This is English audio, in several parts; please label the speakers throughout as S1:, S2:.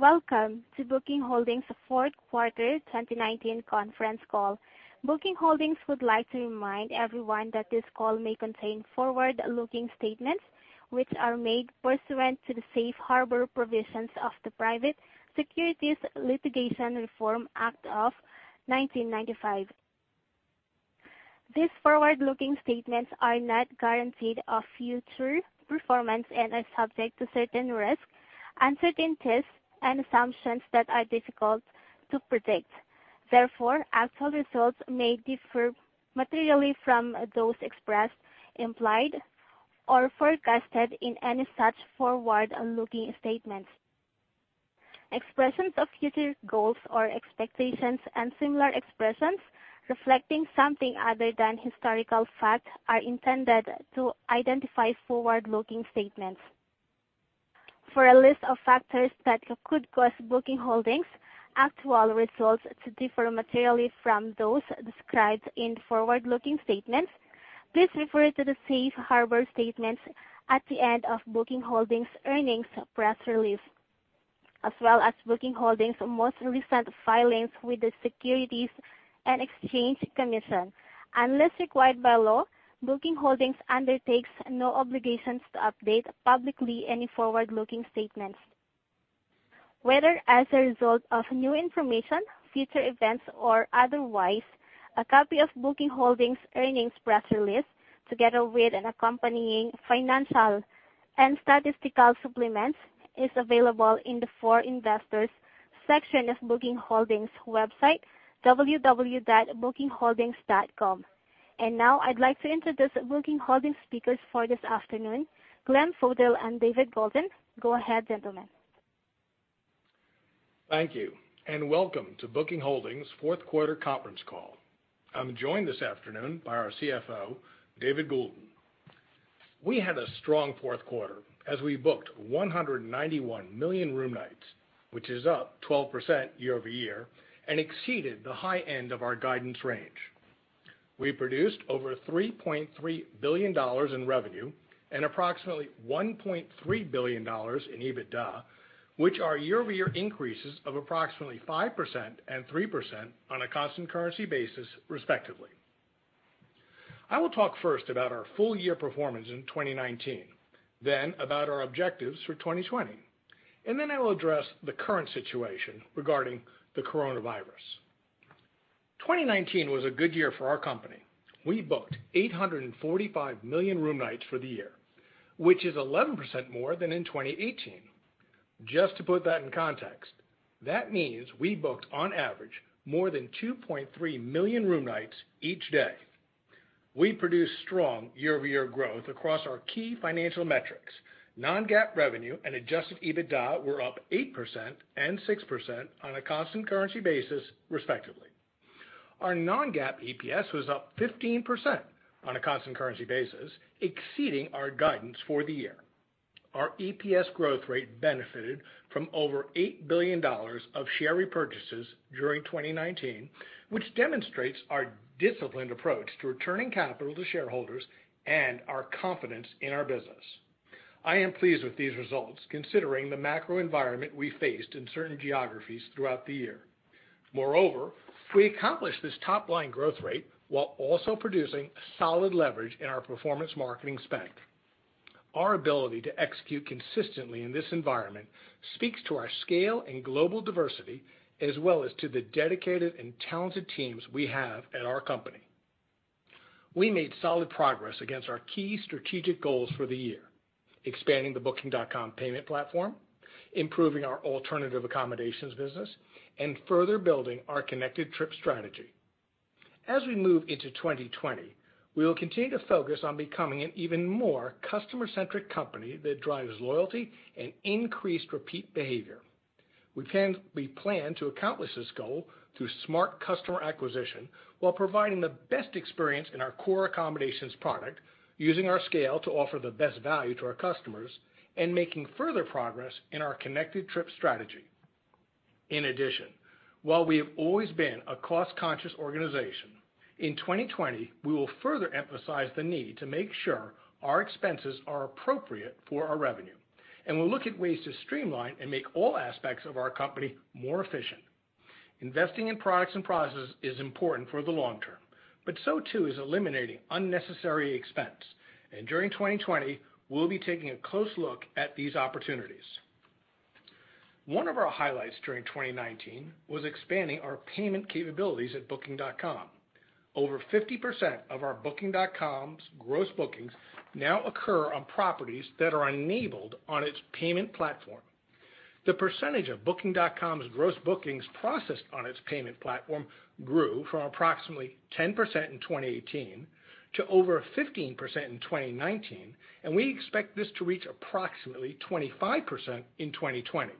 S1: Welcome to Booking Holdings' Q4 2019 conference call. Booking Holdings would like to remind everyone that this call may contain forward-looking statements, which are made pursuant to the safe harbor provisions of the Private Securities Litigation Reform Act of 1995. These forward-looking statements are not guarantees of future performance and are subject to certain risks, uncertainties, and assumptions that are difficult to predict. Therefore, actual results may differ materially from those expressed, implied, or forecasted in any such forward-looking statements. Expressions of future goals or expectations and similar expressions reflecting something other than historical fact are intended to identify forward-looking statements. For a list of factors that could cause Booking Holdings' actual results to differ materially from those described in forward-looking statements, please refer to the safe harbor statements at the end of Booking Holdings' earnings press release, as well as Booking Holdings' most recent filings with the Securities and Exchange Commission. Unless required by law, Booking Holdings undertakes no obligations to update publicly any forward-looking statements, whether as a result of new information, future events, or otherwise. A copy of Booking Holdings' earnings press release, together with an accompanying financial and statistical supplement, is available in the For Investors section of Booking Holdings' website, www.bookingholdings.com. Now I'd like to introduce Booking Holdings' speakers for this afternoon, Glenn Fogel and David Goulden. Go ahead, gentlemen.
S2: Thank you. Welcome to Booking Holdings' Q4 conference call. I am joined this afternoon by our CFO, David Goulden. We had a strong Q4 as we booked 191 million room nights, which is up 12% year-over-year, and exceeded the high end of our guidance range. We produced over $3.3 billion in revenue and approximately $1.3 billion in EBITDA, which are year-over-year increases of approximately 5% and 3% on a constant currency basis, respectively. I will talk first about our full-year performance in 2019, then about our objectives for 2020, then I will address the current situation regarding the coronavirus. 2019 was a good year for our company. We booked 845 million room nights for the year, which is 11% more than in 2018. Just to put that in context, that means we booked on average more than 2.3 million room nights each day. We produced strong year-over-year growth across our key financial metrics. Non-GAAP revenue and adjusted EBITDA were up 8% and 6% on a constant currency basis, respectively. Our non-GAAP EPS was up 15% on a constant currency basis, exceeding our guidance for the year. Our EPS growth rate benefited from over $8 billion of share repurchases during 2019, which demonstrates our disciplined approach to returning capital to shareholders and our confidence in our business. I am pleased with these results, considering the macro environment we faced in certain geographies throughout the year. Moreover, we accomplished this top-line growth rate while also producing solid leverage in our performance marketing spend. Our ability to execute consistently in this environment speaks to our scale and global diversity, as well as to the dedicated and talented teams we have at our company. We made solid progress against our key strategic goals for the year: expanding the Booking.com payment platform, improving our alternative accommodations business, and further building our Connected Trip strategy. As we move into 2020, we will continue to focus on becoming an even more customer-centric company that drives loyalty and increased repeat behavior. We plan to accomplish this goal through smart customer acquisition while providing the best experience in our core accommodations product, using our scale to offer the best value to our customers, and making further progress in our Connected Trip strategy. In addition, while we have always been a cost-conscious organization, in 2020, we will further emphasize the need to make sure our expenses are appropriate for our revenue, and we'll look at ways to streamline and make all aspects of our company more efficient. Investing in products and processes is important for the long term, but so too is eliminating unnecessary expense. During 2020, we'll be taking a close look at these opportunities. One of our highlights during 2019 was expanding our payment capabilities at Booking.com. Over 50% of our Booking.com's gross bookings now occur on properties that are enabled on its payment platform. The percentage of Booking.com's gross bookings processed on its payment platform grew from approximately 10% in 2018 to over 15% in 2019, and we expect this to reach approximately 25% in 2020.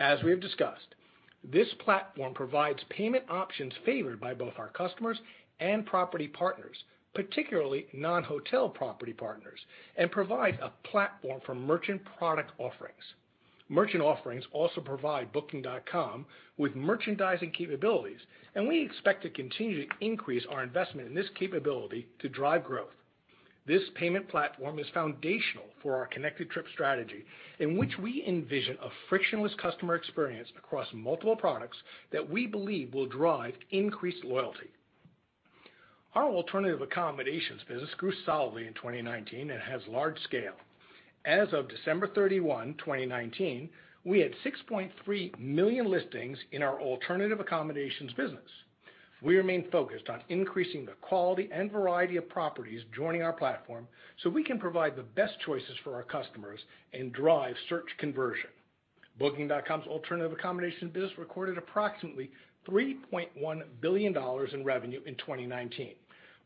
S2: As we have discussed, this platform provides payment options favored by both our customers and property partners, particularly non-hotel property partners, and provides a platform for merchant product offerings. Merchant offerings also provide Booking.com with merchandising capabilities, we expect to continue to increase our investment in this capability to drive growth. This payment platform is foundational for our Connected Trip strategy, in which we envision a frictionless customer experience across multiple products that we believe will drive increased loyalty. Our alternative accommodations business grew solidly in 2019 and has large scale. As of December 31st, 2019, we had 6.3 million listings in our alternative accommodations business. We remain focused on increasing the quality and variety of properties joining our platform so we can provide the best choices for our customers and drive search conversion. Booking.com's alternative accommodation business recorded approximately $3.1 billion in revenue in 2019,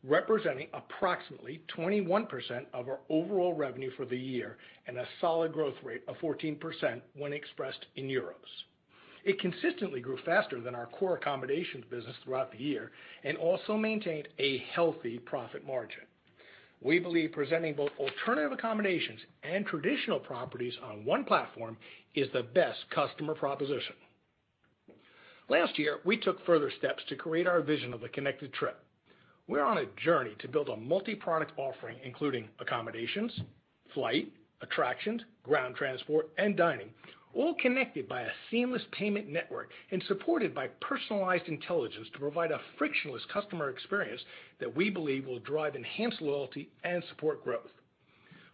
S2: representing approximately 21% of our overall revenue for the year, and a solid growth rate of 14% when expressed in EUR. It consistently grew faster than our core accommodations business throughout the year and also maintained a healthy profit margin. We believe presenting both alternative accommodations and traditional properties on one platform is the best customer proposition. Last year, we took further steps to create our vision of the Connected Trip. We're on a journey to build a multi-product offering, including accommodations, flight, attractions, ground transport, and dining, all connected by a seamless payment network and supported by personalized intelligence to provide a frictionless customer experience that we believe will drive enhanced loyalty and support growth.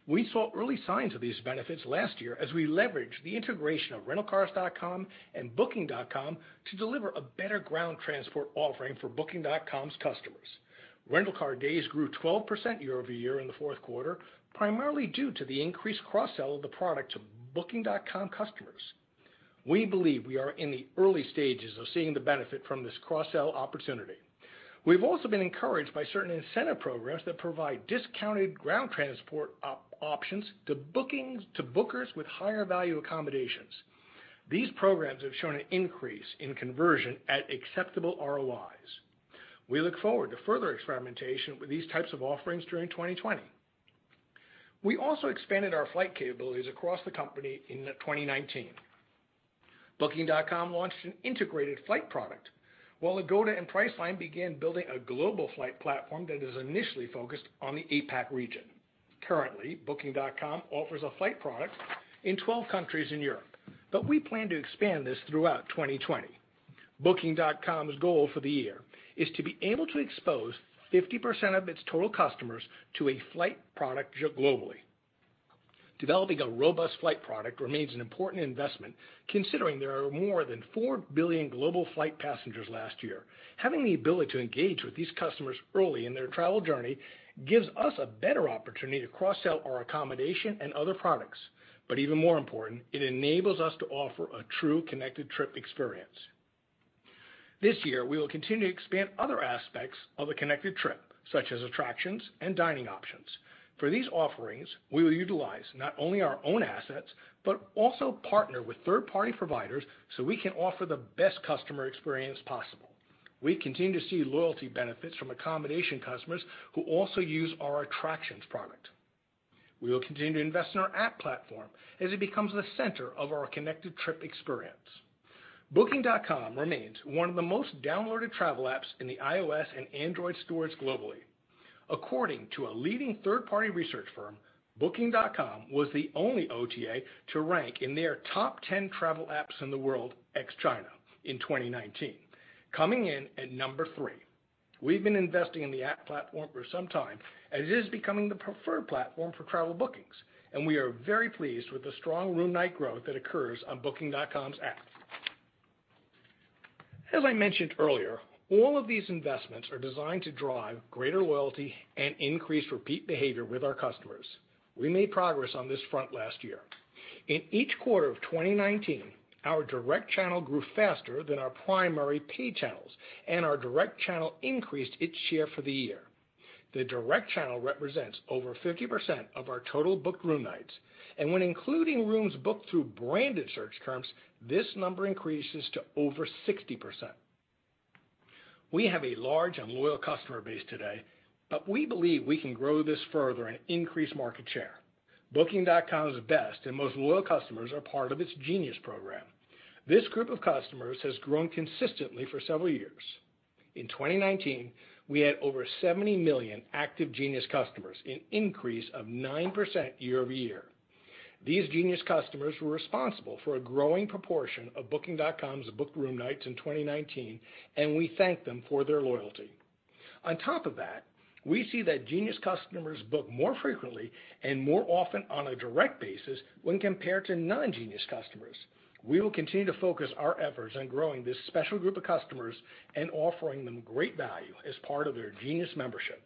S2: We saw early signs of these benefits last year as we leveraged the integration of Rentalcars.com and Booking.com to deliver a better ground transport offering for Booking.com's customers. Rental car days grew 12% year-over-year in the Q4, primarily due to the increased cross-sell of the product to Booking.com customers. We believe we are in the early stages of seeing the benefit from this cross-sell opportunity. We've also been encouraged by certain incentive programs that provide discounted ground transport options to bookers with higher-value accommodations. These programs have shown an increase in conversion at acceptable ROIs. We look forward to further experimentation with these types of offerings during 2020. We also expanded our flight capabilities across the company in 2019. Booking.com launched an integrated flight product, while Agoda and Priceline began building a global flight platform that is initially focused on the APAC region. Currently, Booking.com offers a flight product in 12 countries in Europe, but we plan to expand this throughout 2020. Booking.com's goal for the year is to be able to expose 50% of its total customers to a flight product globally. Developing a robust flight product remains an important investment, considering there are more than 4 billion global flight passengers last year. Having the ability to engage with these customers early in their travel journey gives us a better opportunity to cross-sell our accommodation and other products. Even more important, it enables us to offer a true Connected Trip experience. This year, we will continue to expand other aspects of a Connected Trip, such as attractions and dining options. For these offerings, we will utilize not only our own assets but also partner with third-party providers so we can offer the best customer experience possible. We continue to see loyalty benefits from accommodation customers who also use our attractions product. We will continue to invest in our app platform as it becomes the center of our Connected Trip experience. Booking.com remains one of the most downloaded travel apps in the iOS and Android stores globally. According to a leading third-party research firm, Booking.com was the only OTA to rank in their top 10 travel apps in the world, ex-China, in 2019, coming in at number 3. We've been investing in the app platform for some time, as it is becoming the preferred platform for travel bookings, and we are very pleased with the strong room night growth that occurs on Booking.com's app. As I mentioned earlier, all of these investments are designed to drive greater loyalty and increase repeat behavior with our customers. We made progress on this front last year. In each quarter of 2019, our direct channel grew faster than our primary pay channels, and our direct channel increased its share for the year. The direct channel represents over 50% of our total booked room nights, and when including rooms booked through branded search terms, this number increases to over 60%. We have a large and loyal customer base today, but we believe we can grow this further and increase market share. Booking.com's best and most loyal customers are part of its Genius program. This group of customers has grown consistently for several years. In 2019, we had over 70 million active Genius customers, an increase of 9% year-over-year. These Genius customers were responsible for a growing proportion of Booking.com's booked room nights in 2019, and we thank them for their loyalty. On top of that, we see that Genius customers book more frequently and more often on a direct basis when compared to non-Genius customers. We will continue to focus our efforts on growing this special group of customers and offering them great value as part of their Genius membership.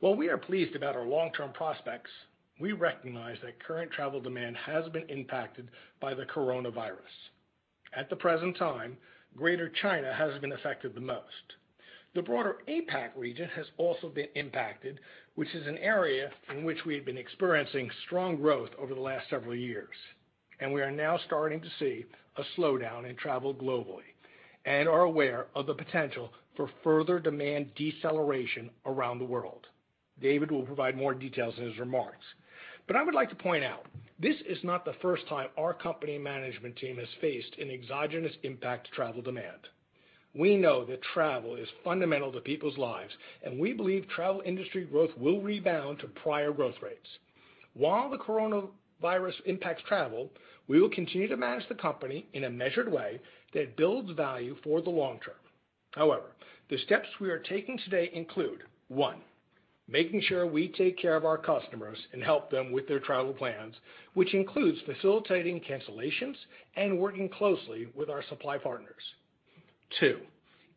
S2: While we are pleased about our long-term prospects, we recognize that current travel demand has been impacted by the coronavirus. At the present time, Greater China has been affected the most. The broader APAC region has also been impacted, which is an area in which we had been experiencing strong growth over the last several years, and we are now starting to see a slowdown in travel globally and are aware of the potential for further demand deceleration around the world. David will provide more details in his remarks. I would like to point out, this is not the first time our company management team has faced an exogenous impact to travel demand. We know that travel is fundamental to people's lives, and we believe travel industry growth will rebound to prior growth rates. While the coronavirus impacts travel, we will continue to manage the company in a measured way that builds value for the long term. However, the steps we are taking today include. One, making sure we take care of our customers and help them with their travel plans, which includes facilitating cancellations and working closely with our supply partners. Two,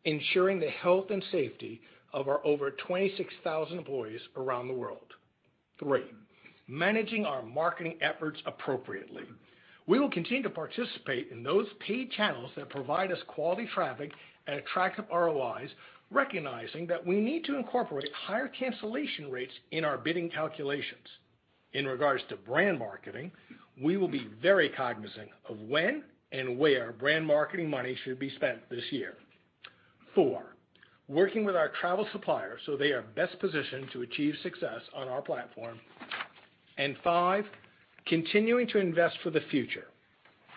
S2: ensuring the health and safety of our over 26,000 employees around the world. Three, managing our marketing efforts appropriately. We will continue to participate in those paid channels that provide us quality traffic at attractive ROIs, recognizing that we need to incorporate higher cancellation rates in our bidding calculations. In regards to brand marketing, we will be very cognizant of when and where brand marketing money should be spent this year. Four, working with our travel suppliers so they are best positioned to achieve success on our platform. Five, continuing to invest for the future.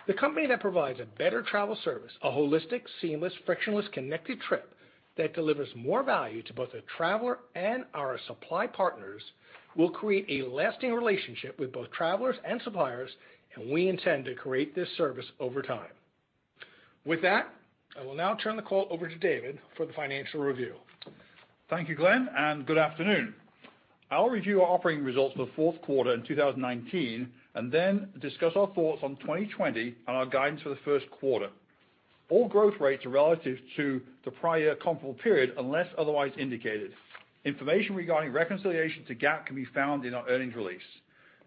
S2: The company that provides a better travel service, a holistic, seamless, frictionless, Connected Trip that delivers more value to both the traveler and our supply partners will create a lasting relationship with both travelers and suppliers, and we intend to create this service over time. With that, I will now turn the call over to David for the financial review.
S3: Thank you, Glenn, and good afternoon. I'll review our operating results for the Q4 in 2019 then discuss our thoughts on 2020 and our guidance for the Q1. All growth rates are relative to the prior comparable period unless otherwise indicated. Information regarding reconciliation to GAAP can be found in our earnings release.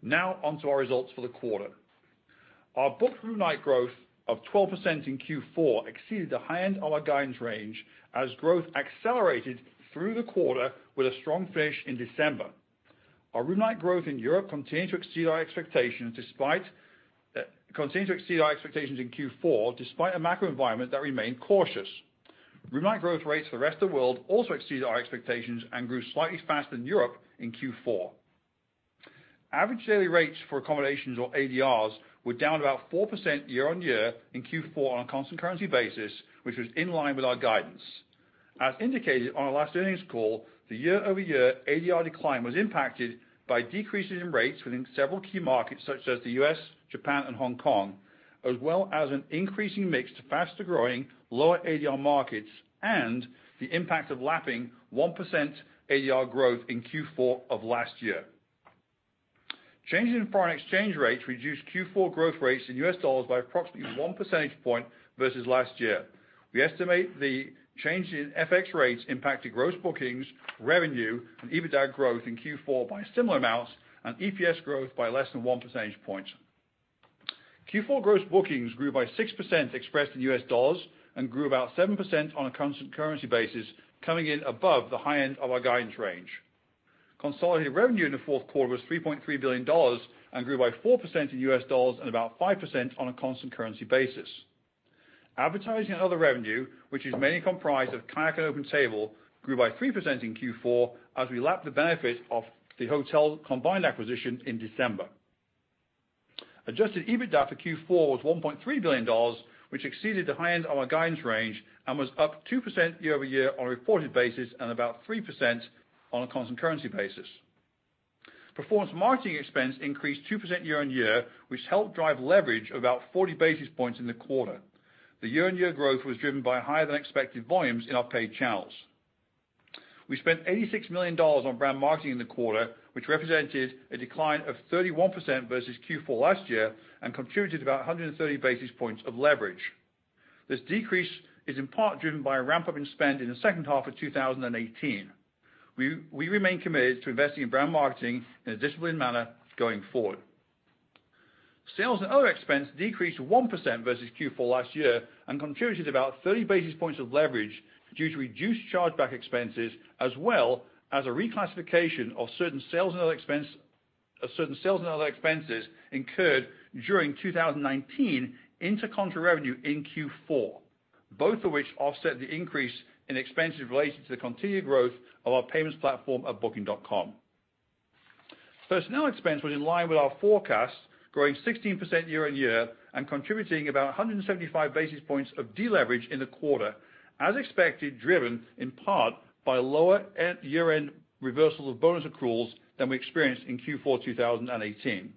S3: Now on to our results for the quarter. Our booked room night growth of 12% in Q4 exceeded the high end of our guidance range as growth accelerated through the quarter with a strong finish in December. Our room night growth in Europe continued to exceed our expectations in Q4 despite a macro environment that remained cautious. Room night growth rates for the rest of the world also exceeded our expectations and grew slightly faster than Europe in Q4. Average daily rates for accommodations or ADRs were down about 4% year-on-year in Q4 on a constant currency basis, which was in line with our guidance. As indicated on our last earnings call, the year-over-year ADR decline was impacted by decreases in rates within several key markets such as the U.S., Japan, and Hong Kong, as well as an increasing mix to faster-growing, lower ADR markets and the impact of lapping 1% ADR growth in Q4 of last year. Changes in foreign exchange rates reduced Q4 growth rates in U.S. dollars by approximately one percentage point versus last year. We estimate the change in FX rates impacted gross bookings, revenue, and EBITDA growth in Q4 by similar amounts, and EPS growth by less than one percentage point. Q4 gross bookings grew by 6% expressed in U.S. dollars and grew about 7% on a constant currency basis, coming in above the high end of our guidance range. Consolidated revenue in the Q4 was $3.3 billion and grew by 4% in U.S. dollars and about 5% on a constant currency basis. Advertising and other revenue, which is mainly comprised of KAYAK and OpenTable, grew by 3% in Q4 as we lapped the benefit of the HotelsCombined acquisition in December. Adjusted EBITDA for Q4 was $1.3 billion, which exceeded the high end of our guidance range and was up 2% year-over-year on a reported basis and about 3% on a constant currency basis. Performance marketing expense increased 2% year-on-year, which helped drive leverage of about 40 basis points in the quarter. The year-on-year growth was driven by higher than expected volumes in our paid channels. We spent $86 million on brand marketing in the quarter, which represented a decline of 31% versus Q4 last year and contributed about 130 basis points of leverage. This decrease is in part driven by a ramp-up in spend in the H2 of 2018. We remain committed to investing in brand marketing in a disciplined manner going forward. Sales and other expense decreased 1% versus Q4 last year and contributed about 30 basis points of leverage due to reduced chargeback expenses, as well as a reclassification of certain sales and other expenses incurred during 2019 into contra revenue in Q4, both of which offset the increase in expenses related to the continued growth of our payments platform at Booking.com. Personnel expense was in line with our forecast, growing 16% year-on-year and contributing about 175 basis points of deleverage in the quarter, as expected, driven in part by lower year-end reversal of bonus accruals than we experienced in Q4 2018.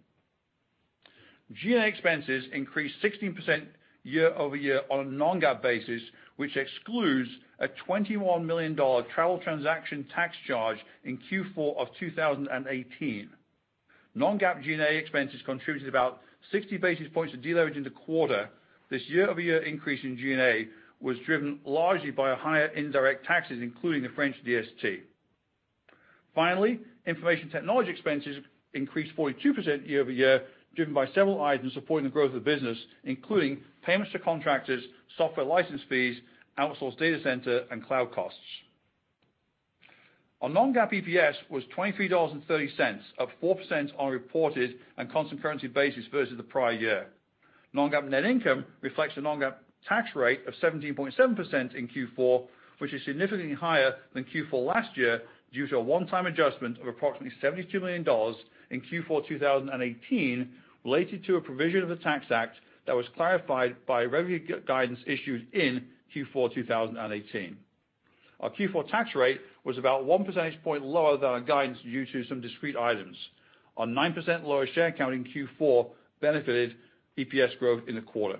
S3: G&A expenses increased 16% year-over-year on a non-GAAP basis, which excludes a $21 million travel transaction tax charge in Q4 of 2018. Non-GAAP G&A expenses contributed about 60 basis points of deleverage in the quarter. This year-over-year increase in G&A was driven largely by higher indirect taxes, including the French DST. Information technology expenses increased 42% year-over-year, driven by several items supporting the growth of the business, including payments to contractors, software license fees, outsourced data center, and cloud costs. Our non-GAAP EPS was $23.30, up 4% on a reported and constant currency basis versus the prior year. Non-GAAP net income reflects a non-GAAP tax rate of 17.7% in Q4, which is significantly higher than Q4 last year due to a one-time adjustment of approximately $72 million in Q4 2018 related to a provision of the Tax Act that was clarified by revenue guidance issued in Q4 2018. Our Q4 tax rate was about one percentage point lower than our guidance due to some discrete items. Our 9% lower share count in Q4 benefited EPS growth in the quarter.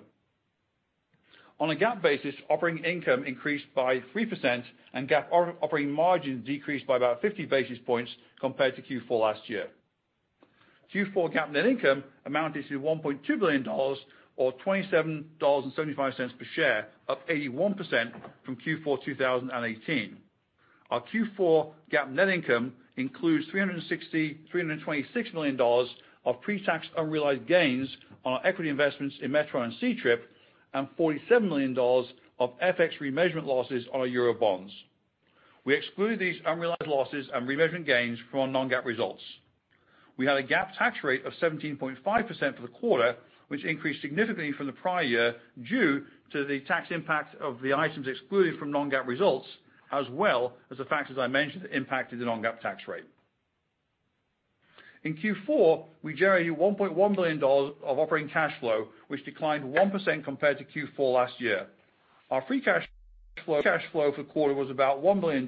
S3: On a GAAP basis, operating income increased by 3% and GAAP operating margin decreased by about 50 basis points compared to Q4 last year. Q4 GAAP net income amounted to $1.2 billion, or $27.75 per share, up 81% from Q4 2018. Our Q4 GAAP net income includes $326 million of pre-tax unrealized gains on our equity investments in Meituan and Ctrip, and $47 million of FX remeasurement losses on our Euro bonds. We exclude these unrealized losses and remeasurement gains from our non-GAAP results. We had a GAAP tax rate of 17.5% for the quarter, which increased significantly from the prior year due to the tax impact of the items excluded from non-GAAP results, as well as the fact, as I mentioned, that impacted the non-GAAP tax rate. In Q4, we generated $1.1 billion of operating cash flow, which declined 1% compared to Q4 last year. Our free cash flow for the quarter was about $1 billion,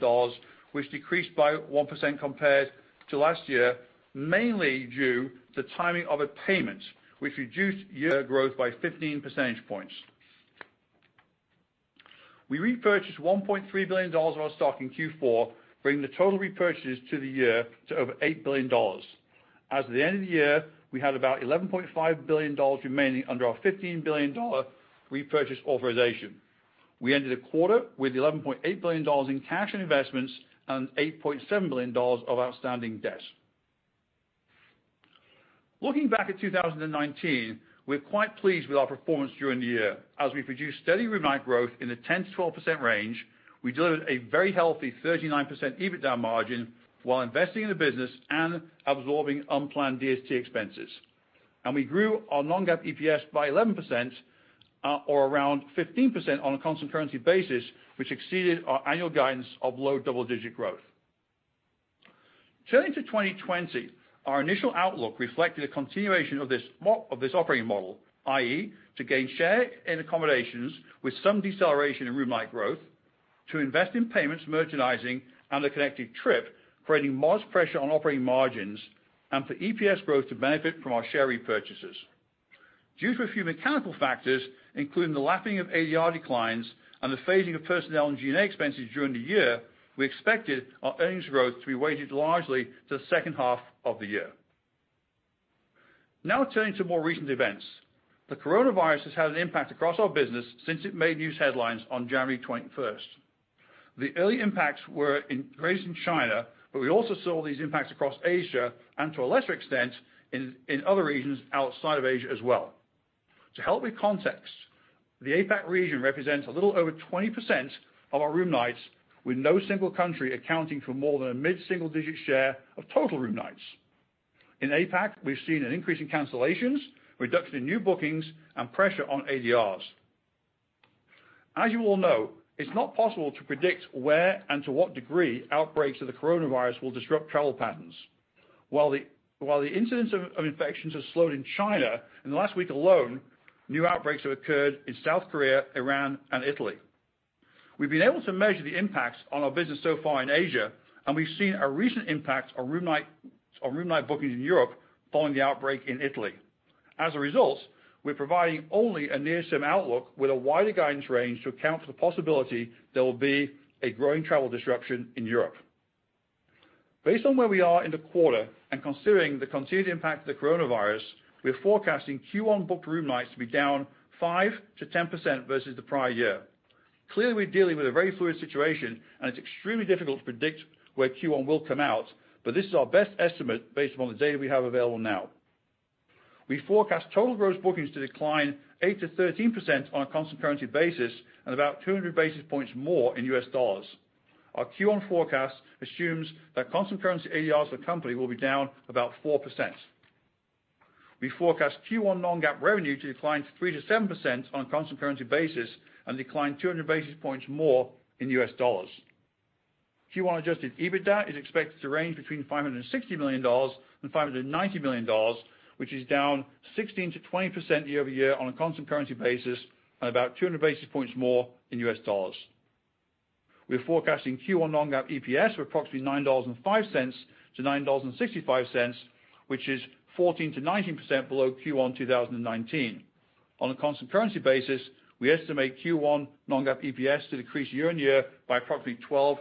S3: which decreased by 1% compared to last year, mainly due to timing of a payment, which reduced year growth by 15 percentage points. We repurchased $1.3 billion of our stock in Q4, bringing the total repurchases to the year to over $8 billion. As of the end of the year, we had about $11.5 billion remaining under our $15 billion repurchase authorization. We ended the quarter with $11.8 billion in cash and investments and $8.7 billion of outstanding debts. Looking back at 2019, we're quite pleased with our performance during the year. As we produced steady room night growth in the 10%-12% range, we delivered a very healthy 39% EBITDA margin while investing in the business and absorbing unplanned DST expenses. We grew our non-GAAP EPS by 11%, or around 15% on a constant currency basis, which exceeded our annual guidance of low double-digit growth. Turning to 2020, our initial outlook reflected a continuation of this operating model, i.e., to gain share in accommodations with some deceleration in room night growth, to invest in payments, merchandising and the Connected Trip, creating modest pressure on operating margins, and for EPS growth to benefit from our share repurchases. Due to a few mechanical factors, including the lapping of ADR declines and the phasing of personnel and G&A expenses during the year, we expected our earnings growth to be weighted largely to the H2 of the year. Turning to more recent events. The coronavirus has had an impact across our business since it made news headlines on January 21st. The early impacts were raised in China, but we also saw these impacts across Asia and to a lesser extent, in other regions outside of Asia as well. To help with context, the APAC region represents a little over 20% of our room nights, with no single country accounting for more than a mid-single digit share of total room nights. In APAC, we've seen an increase in cancellations, reduction in new bookings and pressure on ADRs. As you all know, it's not possible to predict where and to what degree outbreaks of the coronavirus will disrupt travel patterns. While the incidence of infections has slowed in China, in the last week alone, new outbreaks have occurred in South Korea, Iran and Italy. We've been able to measure the impacts on our business so far in Asia, and we've seen a recent impact on room night bookings in Europe following the outbreak in Italy. As a result, we're providing only a near-term outlook with a wider guidance range to account for the possibility there will be a growing travel disruption in Europe. Based on where we are in the quarter and considering the continued impact of the coronavirus, we're forecasting Q1 booked room nights to be down 5%-10% versus the prior year. Clearly, we're dealing with a very fluid situation, and it's extremely difficult to predict where Q1 will come out, but this is our best estimate based upon the data we have available now. We forecast total gross bookings to decline 8%-13% on a constant currency basis and about 200 basis points more in US dollars. Our Q1 forecast assumes that constant currency ADR as a company will be down about 4%. We forecast Q1 non-GAAP revenue to decline 3%-7% on a constant currency basis and decline 200 basis points more in U.S. dollars. Q1 adjusted EBITDA is expected to range between $560 million and $590 million, which is down 16%-20% year-over-year on a constant currency basis, and about 200 basis points more in U.S. dollars. We're forecasting Q1 non-GAAP EPS of approximately $9.05-$9.65, which is 14%-19% below Q1 2019. On a constant currency basis, we estimate Q1 non-GAAP EPS to decrease year-on-year by approximately 12%-17%.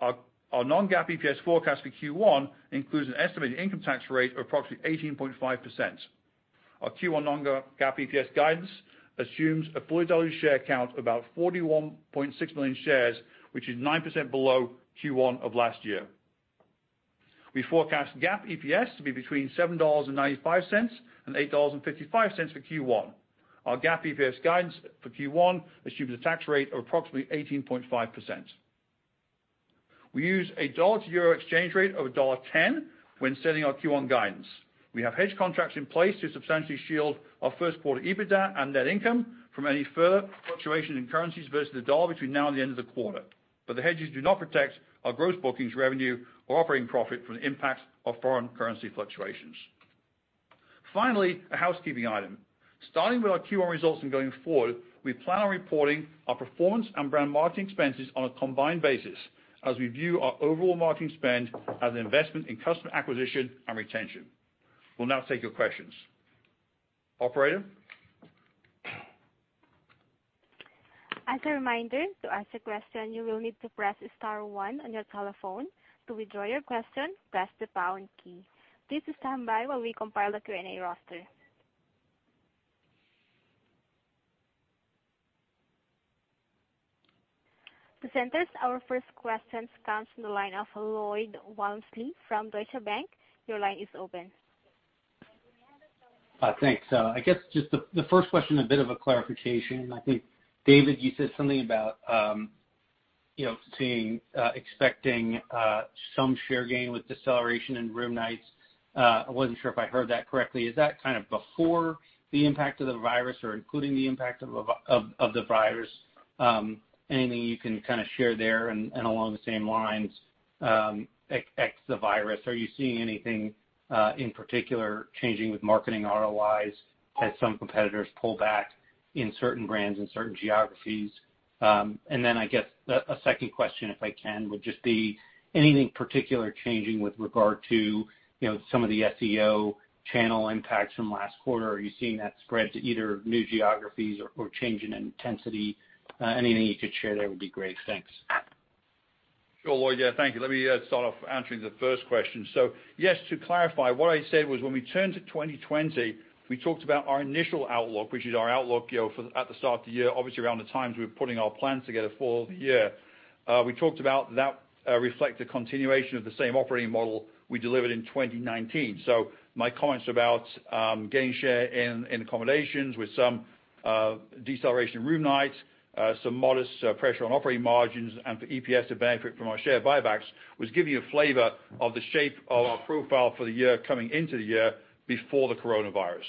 S3: Our non-GAAP EPS forecast for Q1 includes an estimated income tax rate of approximately 18.5%. Our Q1 non-GAAP EPS guidance assumes a fully diluted share count of about 41.6 million shares, which is 9% below Q1 of last year. We forecast GAAP EPS to be between $7.95 and $8.55 for Q1. Our GAAP EPS guidance for Q1 assumes a tax rate of approximately 18.5%. We use a dollar to euro exchange rate of $1.10 when setting our Q1 guidance. We have hedge contracts in place to substantially shield our Q1 EBITDA and net income from any further fluctuation in currencies versus the dollar between now and the end of the quarter. The hedges do not protect our gross bookings revenue or operating profit from the impact of foreign currency fluctuations. Finally, a housekeeping item. Starting with our Q1 results and going forward, we plan on reporting our performance and brand marketing expenses on a combined basis as we view our overall marketing spend as an investment in customer acquisition and retention. We'll now take your questions. Operator?
S1: As a reminder, to ask a question, you will need to press star one on your telephone. To withdraw your question, press the # key. Please stand by while we compile the Q&A roster. Presenters, our first question comes from the line of Lloyd Walmsley from Deutsche Bank. Your line is open.
S4: Thanks. I guess just the first question, a bit of a clarification. I think, David, you said something about expecting some share gain with deceleration in room nights. I wasn't sure if I heard that correctly. Is that before the impact of the virus or including the impact of the virus? Anything you can share there? Along the same lines, ex the virus, are you seeing anything in particular changing with marketing ROIs? Has some competitors pulled back in certain brands, in certain geographies? I guess a second question, if I can, would just be anything particular changing with regard to some of the SEO channel impacts from last quarter. Are you seeing that spread to either new geographies or change in intensity? Anything you could share there would be great. Thanks.
S3: Sure, Lloyd. Yeah, thank you. Let me start off answering the first question. Yes, to clarify, what I said was when we turned to 2020, we talked about our initial outlook, which is our outlook at the start of the year, obviously around the time we were putting our plans together for the year. We talked about that reflect a continuation of the same operating model we delivered in 2019. My comments about gaining share in accommodations with some deceleration in room nights, some modest pressure on operating margins, and for EPS to benefit from our share buybacks, was giving you a flavor of the shape of our profile for the year coming into the year before the coronavirus.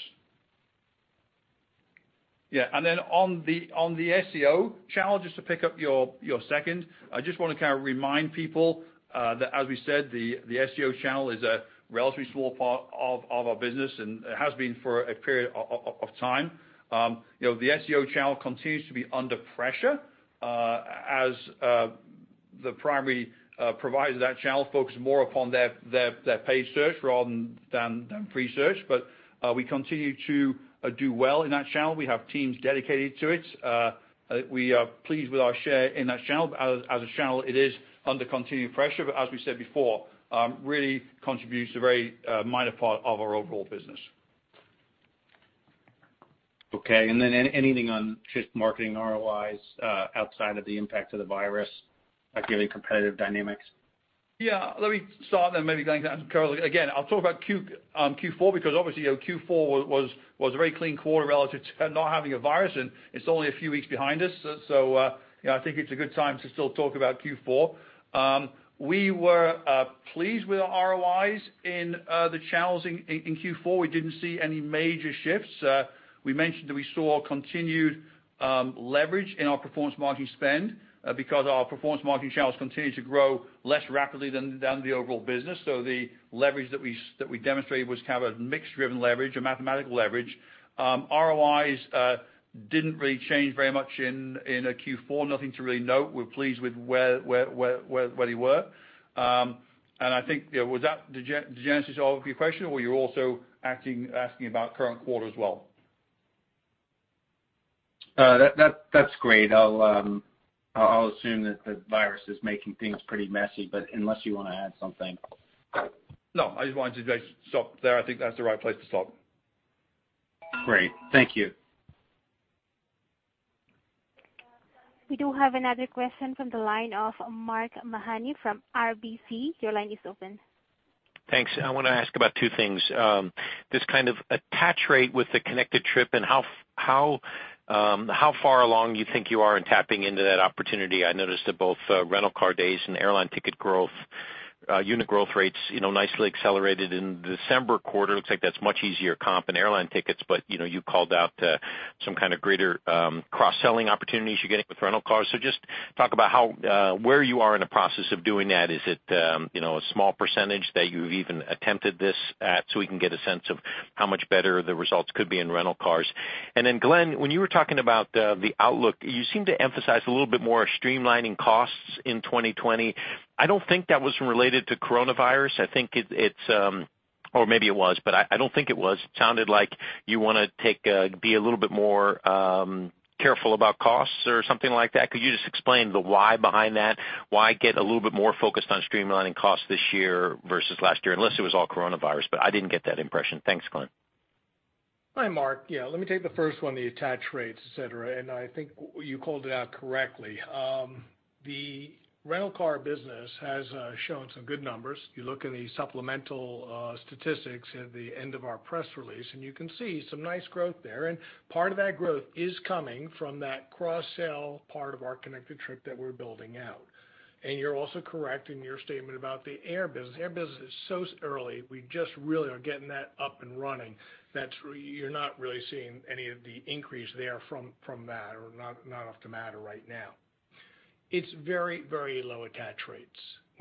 S3: Yeah. On the SEO challenges to pick up your second, I just want to remind people that as we said, the SEO channel is a relatively small part of our business, and it has been for a period of time. The SEO channel continues to be under pressure as the primary providers of that channel focus more upon their paid search rather than free search. We continue to do well in that channel. We have teams dedicated to it. We are pleased with our share in that channel. As a channel, it is under continued pressure, but as we said before really contributes a very minor part of our overall business.
S4: Okay, anything on just marketing ROIs outside of the impact of the virus, like any competitive dynamics?
S3: Let me start. I'll talk about Q4 because obviously Q4 was a very clean quarter relative to not having a virus in. It's only a few weeks behind us, I think it's a good time to still talk about Q4. We were pleased with our ROIs in the channels in Q4. We didn't see any major shifts. We mentioned that we saw continued leverage in our performance marketing spend because our performance marketing channels continue to grow less rapidly than the overall business. The leverage that we demonstrated was a mix-driven leverage, a mathematical leverage. ROIs didn't really change very much in Q4. Nothing to really note. We're pleased with where they were. Did I answer all of your question, or were you also asking about current quarter as well?
S4: That's great. I'll assume that the virus is making things pretty messy, but unless you want to add something.
S3: No, I just wanted to stop there. I think that's the right place to stop.
S4: Great. Thank you.
S1: We do have another question from the line of Mark Mahaney from RBC. Your line is open.
S5: Thanks. I want to ask about two things. This kind of attach rate with the Connected Trip and how far along you think you are in tapping into that opportunity. I noticed that both rental car days and airline ticket unit growth rates nicely accelerated in the December quarter. Looks like that's much easier comp in airline tickets. You called out some kind of greater cross-selling opportunities you're getting with rental cars. Just talk about where you are in the process of doing that. Is it a small percentage that you've even attempted this at so we can get a sense of how much better the results could be in rental cars? Glenn, when you were talking about the outlook, you seemed to emphasize a little bit more streamlining costs in 2020. I don't think that was related to coronavirus. Maybe it was, but I don't think it was. Sounded like you want to be a little bit more careful about costs or something like that. Could you just explain the why behind that? Why get a little bit more focused on streamlining costs this year versus last year? Unless it was all coronavirus, but I didn't get that impression. Thanks, Glenn.
S2: Hi, Mark. Yeah. Let me take the first one, the attach rates, et cetera. I think you called it out correctly. The rental car business has shown some good numbers. You look in the supplemental statistics at the end of our press release, and you can see some nice growth there. Part of that growth is coming from that cross-sell part of our Connected Trip that we're building out. You're also correct in your statement about the air business. The air business is so early. We just really are getting that up and running. You're not really seeing any of the increase there from that, or not enough to matter right now. It's very, very low attach rates.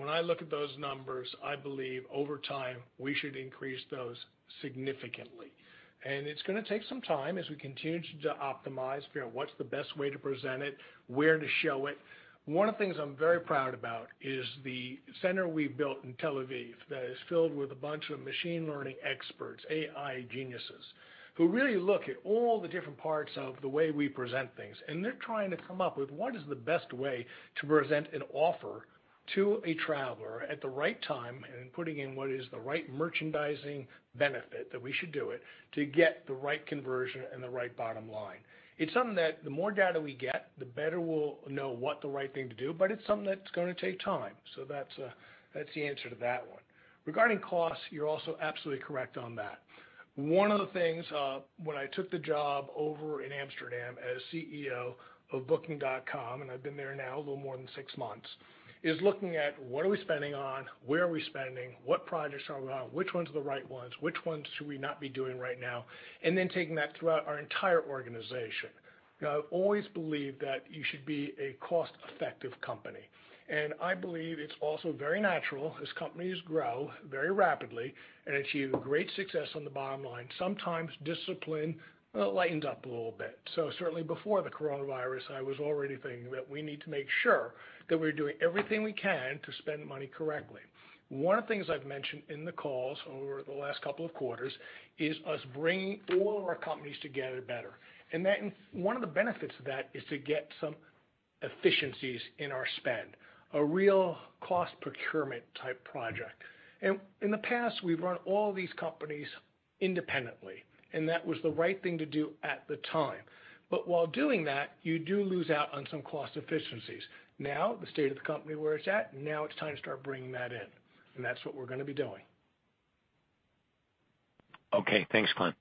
S2: I look at those numbers, I believe over time, we should increase those significantly. It's going to take some time as we continue to optimize, figure out what's the best way to present it, where to show it. One of the things I'm very proud about is the center we've built in Tel Aviv that is filled with a bunch of machine learning experts, AI geniuses, who really look at all the different parts of the way we present things. They're trying to come up with what is the best way to present an offer to a traveler at the right time, and putting in what is the right merchandising benefit that we should do it to get the right conversion and the right bottom line. It's something that the more data we get, the better we'll know what the right thing to do, but it's something that's going to take time. That's the answer to that one. Regarding costs, you're also absolutely correct on that. One of the things when I took the job over in Amsterdam as CEO of Booking.com, and I've been there now a little more than six months, is looking at what are we spending on, where are we spending, what projects are we on, which ones are the right ones, which ones should we not be doing right now? Taking that throughout our entire organization. I've always believed that you should be a cost-effective company. I believe it's also very natural as companies grow very rapidly and achieve great success on the bottom line, sometimes discipline lightens up a little bit. Certainly before the coronavirus, I was already thinking that we need to make sure that we're doing everything we can to spend money correctly. One of the things I've mentioned in the calls over the last couple of quarters is us bringing all of our companies together better. One of the benefits of that is to get some efficiencies in our spend, a real cost procurement type project. In the past, we've run all these companies independently, and that was the right thing to do at the time. While doing that, you do lose out on some cost efficiencies. Now, the state of the company where it's at, now it's time to start bringing that in. That's what we're going to be doing.
S5: Okay. Thanks, Glenn.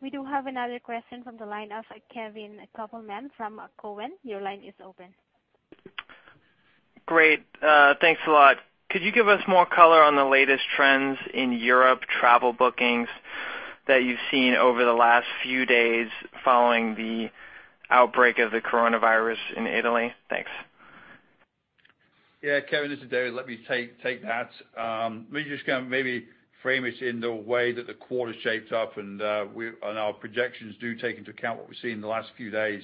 S1: We do have another question from the line of Kevin Kopelman from Cowen. Your line is open.
S6: Great. Thanks a lot. Could you give us more color on the latest trends in Europe travel bookings that you've seen over the last few days following the outbreak of the coronavirus in Italy? Thanks.
S3: Yeah, Kevin, this is David. Let me take that. Let me just maybe frame it in the way that the quarter shaped up and our projections do take into account what we've seen in the last few days.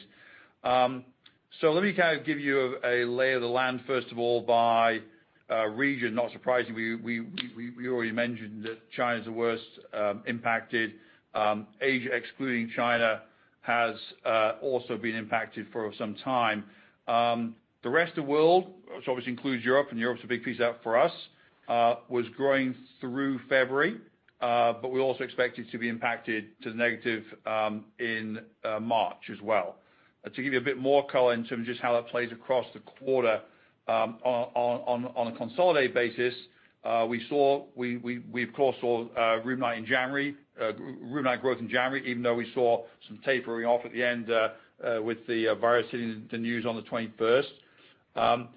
S3: Let me give you a lay of the land first of all by region. Not surprisingly, we already mentioned that China is the worst impacted. Asia, excluding China, has also been impacted for some time. The rest of world, which obviously includes Europe, and Europe is a big piece out for us, was growing through February, but we also expect it to be impacted to the negative in March as well. To give you a bit more color in terms of just how that plays across the quarter on a consolidated basis, we of course saw room night growth in January, even though we saw some tapering off at the end with the virus hitting the news on the 21st.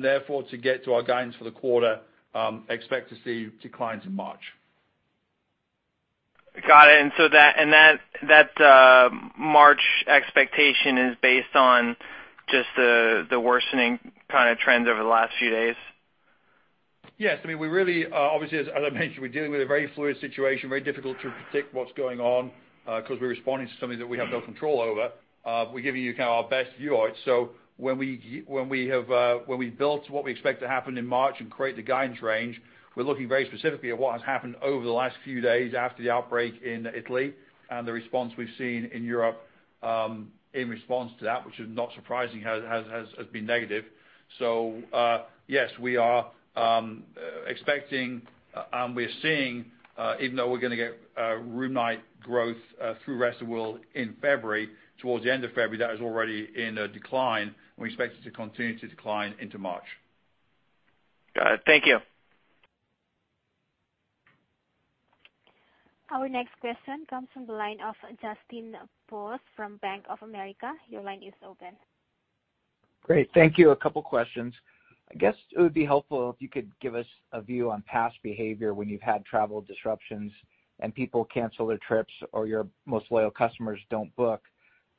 S3: Therefore, to get to our guidance for the quarter expect to see declines in March.
S6: Got it. That March expectation is based on just the worsening trends over the last few days?
S3: Yes. Obviously, as I mentioned, we're dealing with a very fluid situation, very difficult to predict what's going on because we're responding to something that we have no control over. We're giving you our best view of it. When we built what we expect to happen in March and create the guidance range, we're looking very specifically at what has happened over the last few days after the outbreak in Italy and the response we've seen in Europe in response to that, which is not surprising has been negative. Yes, we are expecting and we are seeing, even though we're going to get room night growth through rest of world in February, towards the end of February, that is already in a decline, and we expect it to continue to decline into March.
S6: Got it. Thank you.
S1: Our next question comes from the line of Justin Post from Bank of America. Your line is open.
S7: Great. Thank you. A couple questions. I guess it would be helpful if you could give us a view on past behavior when you've had travel disruptions and people cancel their trips or your most loyal customers don't book.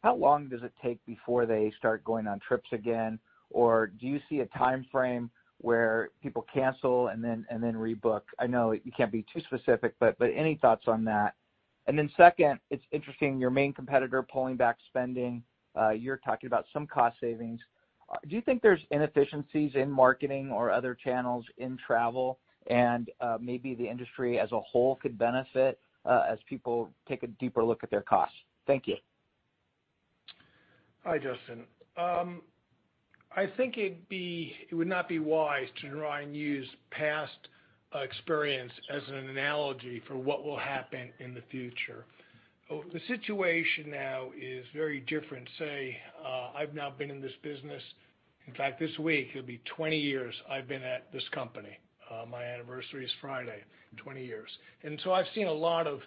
S7: How long does it take before they start going on trips again? Do you see a timeframe where people cancel and then rebook? I know you can't be too specific, but any thoughts on that? Second, it's interesting, your main competitor pulling back spending. You're talking about some cost savings. Do you think there's inefficiencies in marketing or other channels in travel and maybe the industry as a whole could benefit as people take a deeper look at their costs? Thank you.
S2: Hi, Justin. I think it would not be wise to try and use past experience as an analogy for what will happen in the future. The situation now is very different, say, I've now been in this business, in fact, this week it'll be 20 years I've been at this company. My anniversary is Friday, 20 years. I've seen a lot of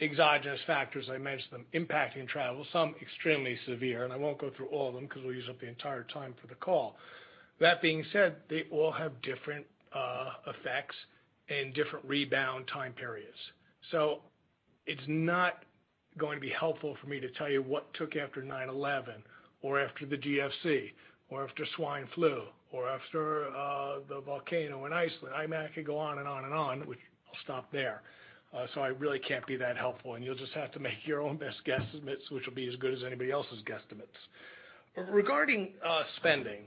S2: exogenous factors, I mentioned them, impacting travel, some extremely severe, and I won't go through all of them because we'll use up the entire time for the call. That being said, they all have different effects and different rebound time periods. It's not going to be helpful for me to tell you what took after 9/11, or after the GFC, or after swine flu, or after the volcano in Iceland. I could go on and on and on, which I'll stop there. I really can't be that helpful, and you'll just have to make your own best guesstimates, which will be as good as anybody else's guesstimates. Regarding spending,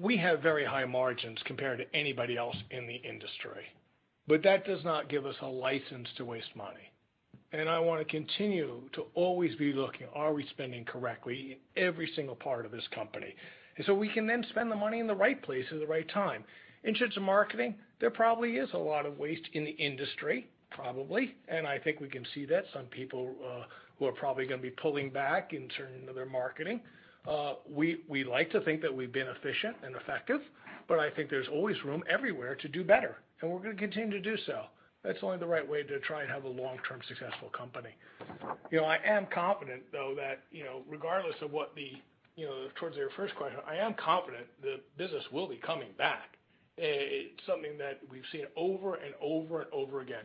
S2: we have very high margins compared to anybody else in the industry, but that does not give us a license to waste money. I want to continue to always be looking, are we spending correctly in every single part of this company? We can then spend the money in the right place at the right time. In terms of marketing, there probably is a lot of waste in the industry, probably, and I think we can see that. Some people are probably going to be pulling back in terms of their marketing. We like to think that we've been efficient and effective, but I think there's always room everywhere to do better, and we're going to continue to do so. That's only the right way to try and have a long-term successful company. I am confident, though, that regardless of what the towards your first question, I am confident the business will be coming back. It's something that we've seen over and over again.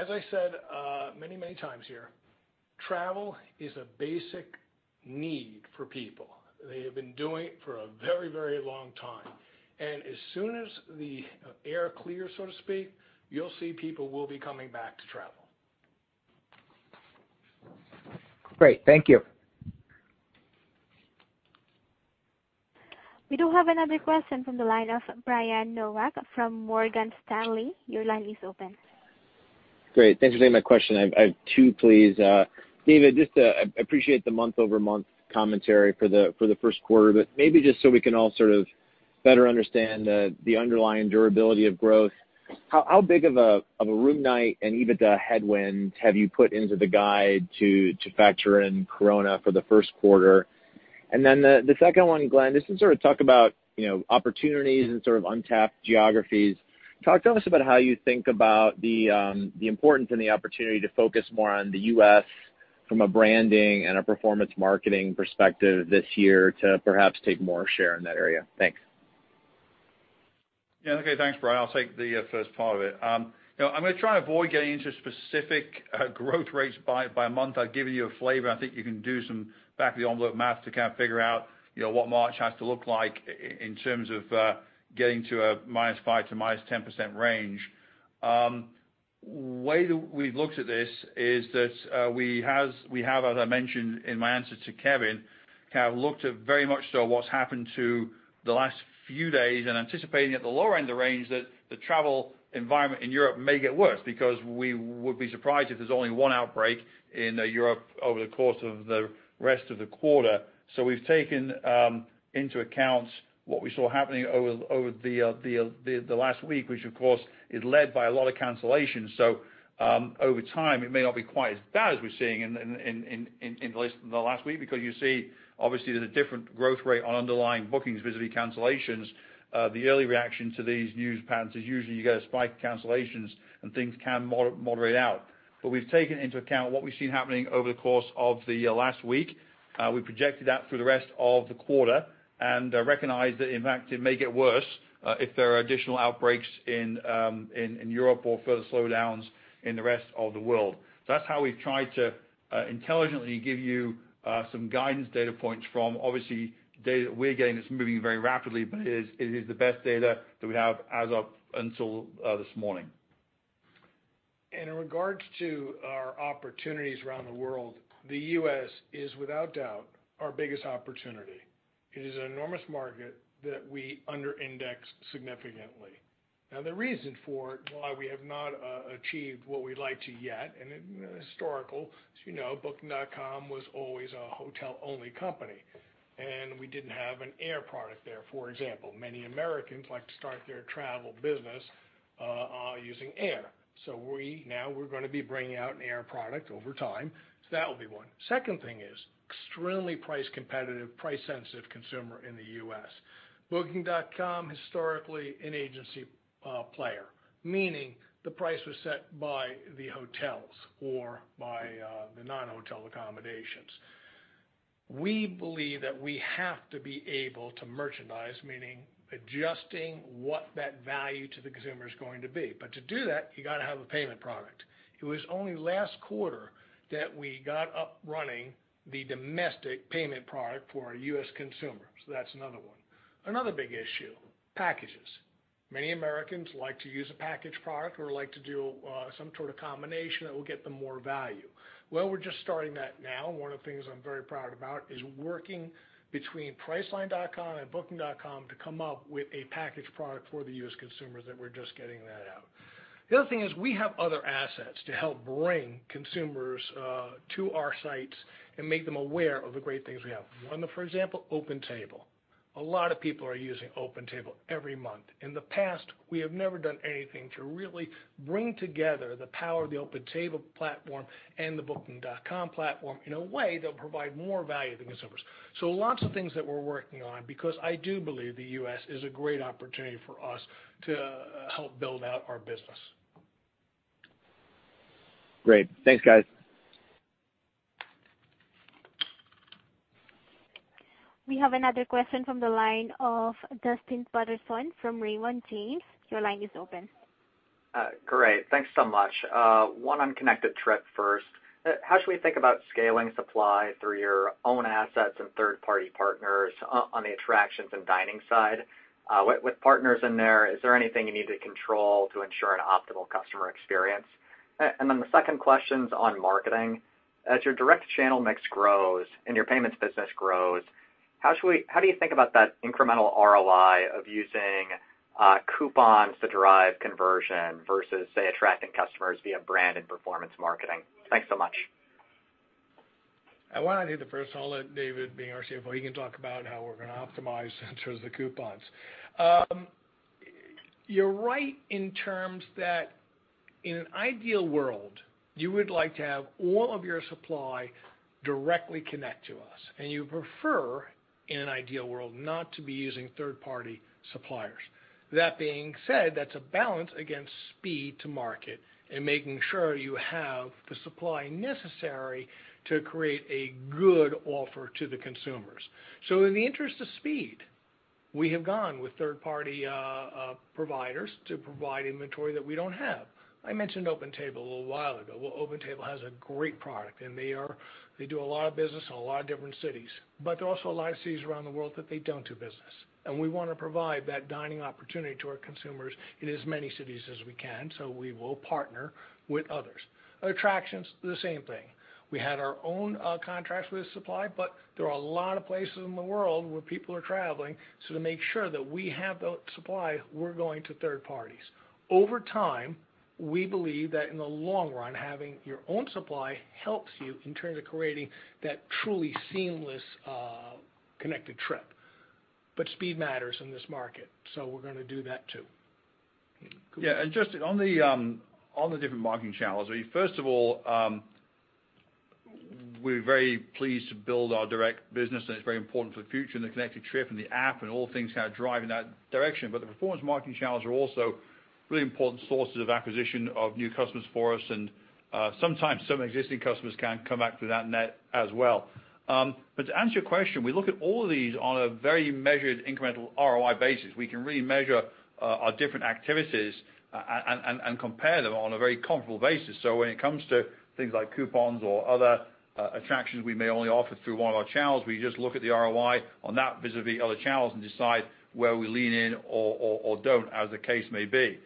S2: As I said many times here, travel is a basic need for people. They have been doing it for a very long time. As soon as the air clears, so to speak, you'll see people will be coming back to travel.
S7: Great. Thank you.
S1: We do have another question from the line of Brian Nowak from Morgan Stanley. Your line is open.
S8: Great. Thanks for taking my question. I have two, please. David, appreciate the month-over-month commentary for the Q1, maybe just so we can all sort of better understand the underlying durability of growth, how big of a room night and EBITDA headwind have you put into the guide to factor in corona for the Q1? The second one, Glenn, this is sort of talk about opportunities and sort of untapped geographies. Talk to us about how you think about the importance and the opportunity to focus more on the U.S. from a branding and a performance marketing perspective this year to perhaps take more share in that area. Thanks.
S3: Okay. Thanks, Brian. I'll take the first part of it. I'm going to try and avoid getting into specific growth rates by month. I've given you a flavor. I think you can do some back of the envelope math to kind of figure out what March has to look like in terms of getting to a -5%--10% range. The way that we've looked at this is that we have, as I mentioned in my answer to Kevin, have looked at very much so what's happened to the last few days and anticipating at the lower end of range that the travel environment in Europe may get worse, because we would be surprised if there's only 1 outbreak in Europe over the course of the rest of the quarter. We've taken into account what we saw happening over the last week, which, of course, is led by a lot of cancellations. Over time, it may not be quite as bad as we're seeing in the last week because you see obviously there's a different growth rate on underlying bookings vis-a-vis cancellations. The early reaction to these news patterns is usually you get a spike in cancellations and things can moderate out. We've taken into account what we've seen happening over the course of the last week. We projected that through the rest of the quarter and recognized that, in fact, it may get worse if there are additional outbreaks in Europe or further slowdowns in the rest of the world. That's how we've tried to intelligently give you some guidance data points from obviously data we're getting that's moving very rapidly, but it is the best data that we have as of this morning.
S2: In regards to our opportunities around the world, the U.S. is without doubt our biggest opportunity. It is an enormous market that we under-index significantly. Historically, as you know, Booking.com was always a hotel-only company, and we didn't have an air product there, for example. Many Americans like to start their travel business using air. Now we're going to be bringing out an air product over time. That will be one. Second thing is extremely price competitive, price sensitive consumer in the U.S. Booking.com, historically an agency player, meaning the price was set by the hotels or by the non-hotel accommodations. We believe that we have to be able to merchandise, meaning adjusting what that value to the consumer is going to be. To do that, you got to have a payment product. It was only last quarter that we got up running the domestic payment product for our U.S. consumers. That's another one. Another big issue, packages. Many Americans like to use a package product or like to do some sort of combination that will get them more value. Well, we're just starting that now. One of the things I'm very proud about is working between Priceline.com and Booking.com to come up with a package product for the U.S. consumers, and we're just getting that out. The other thing is we have other assets to help bring consumers to our sites and make them aware of the great things we have. One, for example, OpenTable. A lot of people are using OpenTable every month. In the past, we have never done anything to really bring together the power of the OpenTable platform and the Booking.com platform in a way that will provide more value to consumers. Lots of things that we're working on because I do believe the U.S. is a great opportunity for us to help build out our business.
S8: Great. Thanks, guys.
S1: We have another question from the line of Justin Patterson from Raymond James. Your line is open.
S9: Great. Thanks so much. One on Connected Trip first. How should we think about scaling supply through your own assets and third-party partners on the attractions and dining side? With partners in there, is there anything you need to control to ensure an optimal customer experience? The second question's on marketing. As your direct channel mix grows and your payments business grows, how do you think about that incremental ROI of using coupons to drive conversion versus, say, attracting customers via brand and performance marketing? Thanks so much.
S2: I want to do the first. I'll let David, being our CFO, he can talk about how we're going to optimize in terms of coupons. You're right in terms that in an ideal world, you would like to have all of your supply directly connect to us, and you prefer, in an ideal world, not to be using third-party suppliers. That's a balance against speed to market and making sure you have the supply necessary to create a good offer to the consumers. In the interest of speed, we have gone with third-party providers to provide inventory that we don't have. I mentioned OpenTable a little while ago. OpenTable has a great product, and they do a lot of business in a lot of different cities. There are also a lot of cities around the world that they don't do business, and we want to provide that dining opportunity to our consumers in as many cities as we can, so we will partner with others. Attractions, the same thing. We had our own contracts with supply, but there are a lot of places in the world where people are traveling. To make sure that we have that supply, we're going to third parties. Over time, we believe that in the long run, having your own supply helps you in terms of creating that truly seamless Connected Trip. Speed matters in this market, so we're going to do that too.
S3: Yeah. Justin, on the different marketing channels, first of all, we're very pleased to build our direct business, and it's very important for the future and the Connected Trip and the app and all things driving that direction. The performance marketing channels are also really important sources of acquisition of new customers for us, and sometimes some existing customers can come back through that net as well. To answer your question, we look at all of these on a very measured incremental ROI basis. We can really measure our different activities and compare them on a very comparable basis. When it comes to things like coupons or other attractions we may only offer through one of our channels, we just look at the ROI on that vis-a-vis other channels and decide where we lean in or don't, as the case may be.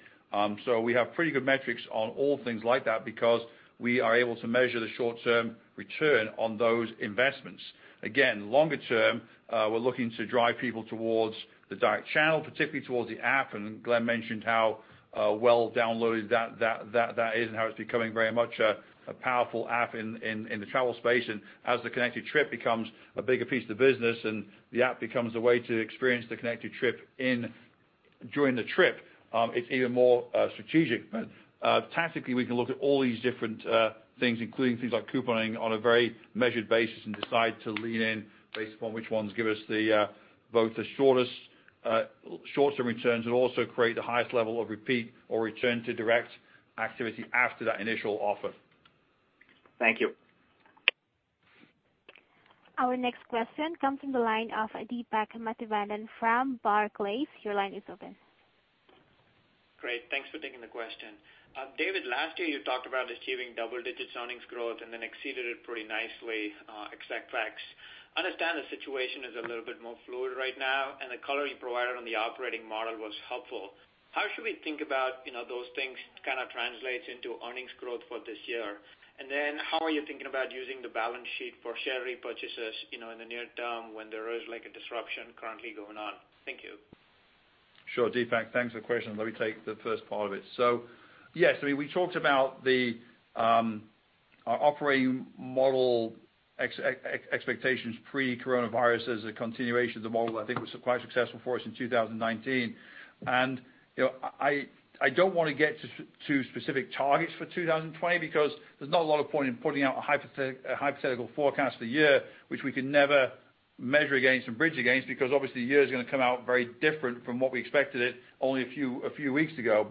S3: We have pretty good metrics on all things like that because we are able to measure the short-term return on those investments. Again, longer term, we're looking to drive people towards the direct channel, particularly towards the app. Glenn mentioned how well downloaded that is and how it's becoming very much a powerful app in the travel space. As the Connected Trip becomes a bigger piece of the business and the app becomes a way to experience the Connected Trip during the trip, it's even more strategic. Tactically, we can look at all these different things, including things like couponing, on a very measured basis and decide to lean in based upon which ones give us both the short-term returns, but also create the highest level of repeat or return to direct activity after that initial offer.
S9: Thank you.
S1: Our next question comes from the line of Deepak Mathivanan from Barclays. Your line is open.
S10: Great. Thanks for taking the question. David, last year you talked about achieving double-digit earnings growth and then exceeded it pretty nicely ex-FX. I understand the situation is a little bit more fluid right now, and the color you provided on the operating model was helpful. How should we think about those things kind of translates into earnings growth for this year? How are you thinking about using the balance sheet for share repurchases in the near term when there is a disruption currently going on? Thank you.
S3: Sure, Deepak. Thanks for the question. Let me take the first part of it. Yes, we talked about our operating model expectations pre-coronavirus as a continuation of the model that I think was quite successful for us in 2019. I don't want to get to specific targets for 2020 because there's not a lot of point in putting out a hypothetical forecast for the year, which we can never measure against and bridge against, because obviously the year is going to come out very different from what we expected it only a few weeks ago.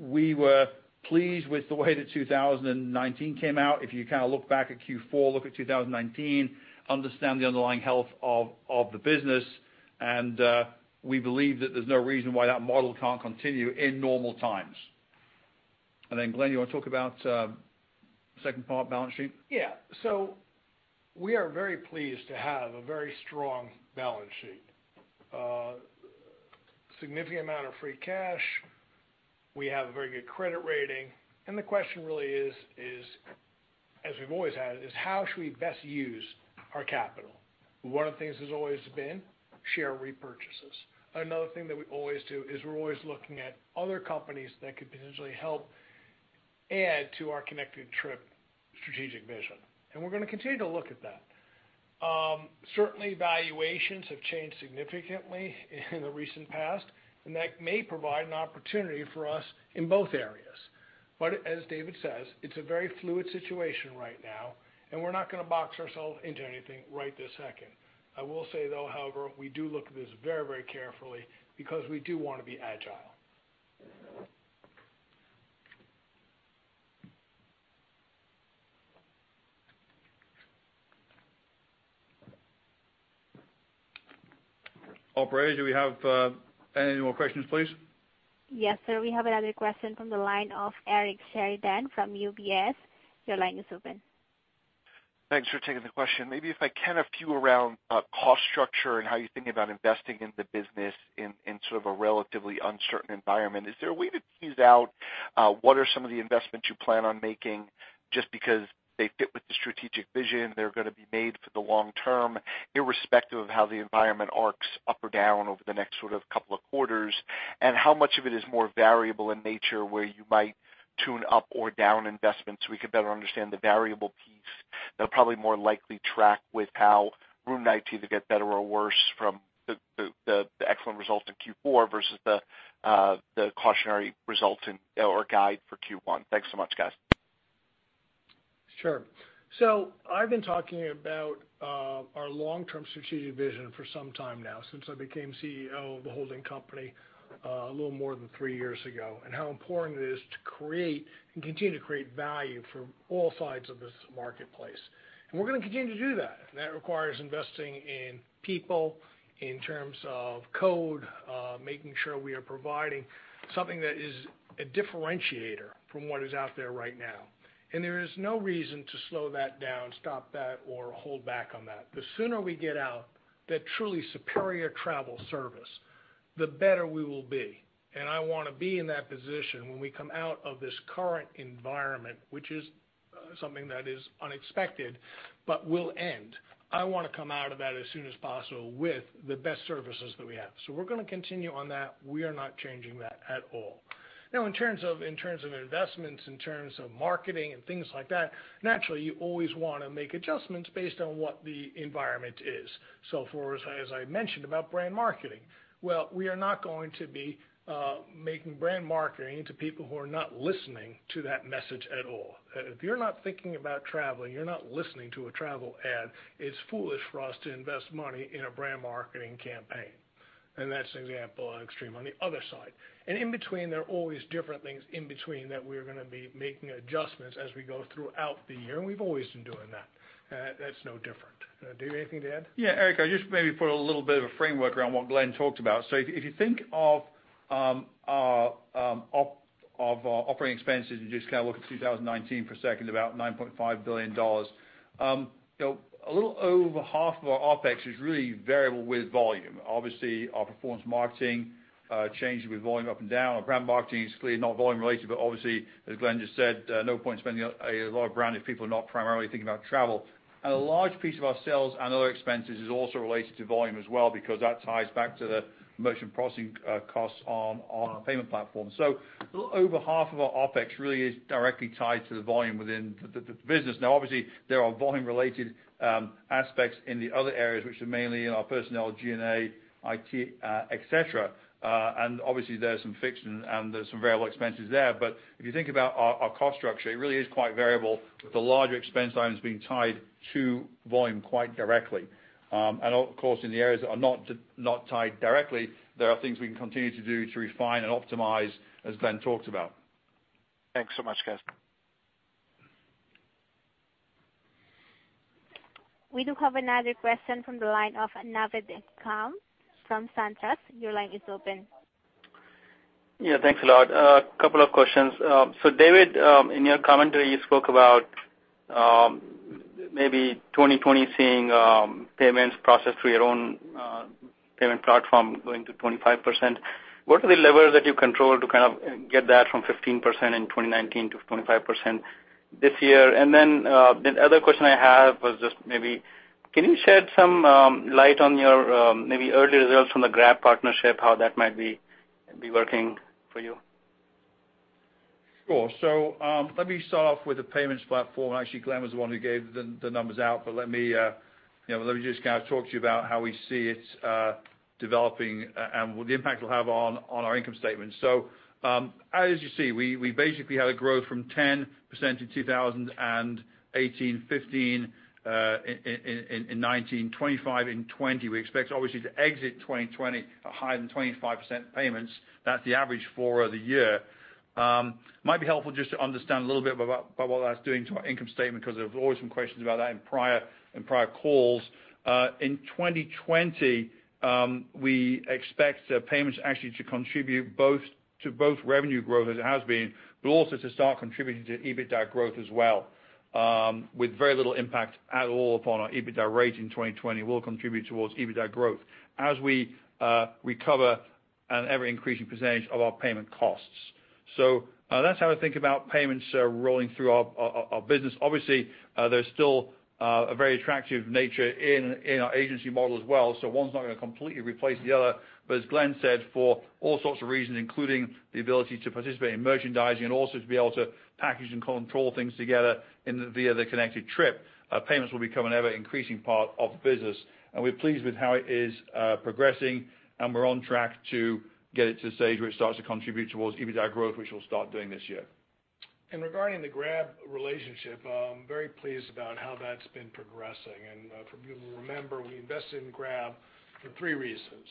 S3: We were pleased with the way that 2019 came out. If you look back at Q4, look at 2019, understand the underlying health of the business, and we believe that there's no reason why that model can't continue in normal times. Glenn, you want to talk about the second part, balance sheet?
S2: Yeah. We are very pleased to have a very strong balance sheet, a significant amount of free cash. We have a very good credit rating. The question really is, as we've always had, is how should we best use our capital? One of the things has always been share repurchases. Another thing that we always do is we're always looking at other companies that could potentially help add to our Connected Trip strategic vision. We're going to continue to look at that. Certainly, valuations have changed significantly in the recent past, and that may provide an opportunity for us in both areas. As David says, it's a very fluid situation right now, and we're not going to box ourselves into anything right this second. I will say, though, however, we do look at this very carefully because we do want to be agile.
S3: Operator, do we have any more questions, please?
S1: Yes, sir. We have another question from the line of Eric Sheridan from UBS. Your line is open.
S11: Thanks for taking the question. Maybe if I can, a few around cost structure and how you're thinking about investing in the business in sort of a relatively uncertain environment. Is there a way to tease out what are some of the investments you plan on making just because they fit with the strategic vision, they're going to be made for the long term, irrespective of how the environment arcs up or down over the next sort of couple of quarters? How much of it is more variable in nature, where you might tune up or down investments so we could better understand the variable piece that will probably more likely track with how room night either get better or worse from the excellent results in Q4 versus the cautionary results in or guide for Q1? Thanks so much, guys.
S2: Sure. I've been talking about our long-term strategic vision for some time now, since I became CEO of the holding company a little more than three years ago, and how important it is to create and continue to create value for all sides of this marketplace. We're going to continue to do that. That requires investing in people in terms of code, making sure we are providing something that is a differentiator from what is out there right now. There is no reason to slow that down, stop that, or hold back on that. The sooner we get out that truly superior travel service, the better we will be. I want to be in that position when we come out of this current environment, which is something that is unexpected but will end. I want to come out of that as soon as possible with the best services that we have. We're going to continue on that. We are not changing that at all. Now, in terms of investments, in terms of marketing and things like that, naturally, you always want to make adjustments based on what the environment is. For, as I mentioned about brand marketing, well, we are not going to be making brand marketing to people who are not listening to that message at all. If you're not thinking about traveling, you're not listening to a travel ad, it's foolish for us to invest money in a brand marketing campaign. That's an example on extreme on the other side. In between, there are always different things in between that we are going to be making adjustments as we go throughout the year, and we've always been doing that. That's no different. David, anything to add?
S3: Yeah, Eric, I'll just maybe put a little bit of a framework around what Glenn talked about. If you think of our operating expenses, you just kind of look at 2019 for a second, about $9.5 billion. A little over half of our OpEx is really variable with volume. Obviously, our performance marketing changes with volume up and down. Our brand marketing is clearly not volume-related, but obviously, as Glenn just said, no point in spending a lot of brand if people are not primarily thinking about travel. A large piece of our sales and other expenses is also related to volume as well because that ties back to the promotion processing costs on our payment platform. A little over half of our OpEx really is directly tied to the volume within the business. Obviously, there are volume-related aspects in the other areas, which are mainly in our personnel, G&A, IT, et cetera. Obviously, there's some fixed and there's some variable expenses there. If you think about our cost structure, it really is quite variable, with the larger expense items being tied to volume quite directly. Of course, in the areas that are not tied directly, there are things we can continue to do to refine and optimize as Glenn talked about.
S11: Thanks so much, guys.
S1: We do have another question from the line of Naved Khan from SunTrust. Your line is open.
S12: Thanks a lot. A couple of questions. David, in your commentary, you spoke about maybe 2020 seeing payments processed through your own payment platform going to 25%. What are the levers that you control to kind of get that from 15% in 2019 to 25% this year? The other question I have was just maybe, can you shed some light on your maybe early results from the Grab partnership, how that might be working for you?
S3: Sure. Let me start off with the payments platform. Actually, Glenn was the one who gave the numbers out, but let me just kind of talk to you about how we see it developing and the impact it will have on our income statement. As you see, we basically had a growth from 10% in 2018, 15% in 2019, 25% in 2020. We expect obviously to exit 2020 at higher than 25% payments. That's the average for the year. Might be helpful just to understand a little bit about what that's doing to our income statement because there's always some questions about that in prior calls. In 2020, we expect payments actually to contribute to both revenue growth as it has been, but also to start contributing to EBITDA growth as well, with very little impact at all upon our EBITDA rate in 2020, will contribute towards EBITDA growth as we recover an ever-increasing percentage of our payment costs. That's how I think about payments rolling through our business. Obviously, there's still a very attractive nature in our agency model as well, so one's not going to completely replace the other. As Glenn said, for all sorts of reasons, including the ability to participate in merchandising and also to be able to package and control things together via the Connected Trip, payments will become an ever-increasing part of the business. We're pleased with how it is progressing, and we're on track to get it to the stage where it starts to contribute towards EBITDA growth, which we'll start doing this year.
S2: Regarding the Grab relationship, I'm very pleased about how that's been progressing. If you remember, we invested in Grab for three reasons.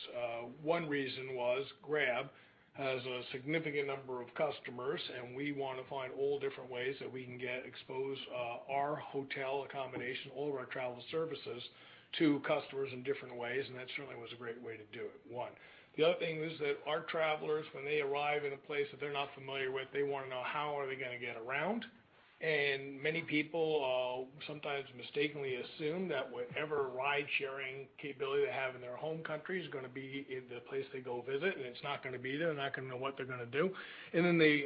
S2: One reason was Grab has a significant number of customers, and we want to find all different ways that we can expose our hotel accommodation, all of our travel services to customers in different ways, and that certainly was a great way to do it, one. The other thing is that our travelers, when they arrive in a place that they're not familiar with, they want to know how are they going to get around. Many people sometimes mistakenly assume that whatever ride-sharing capability they have in their home country is going to be in the place they go visit, and it's not going to be there. They're not going to know what they're going to do. They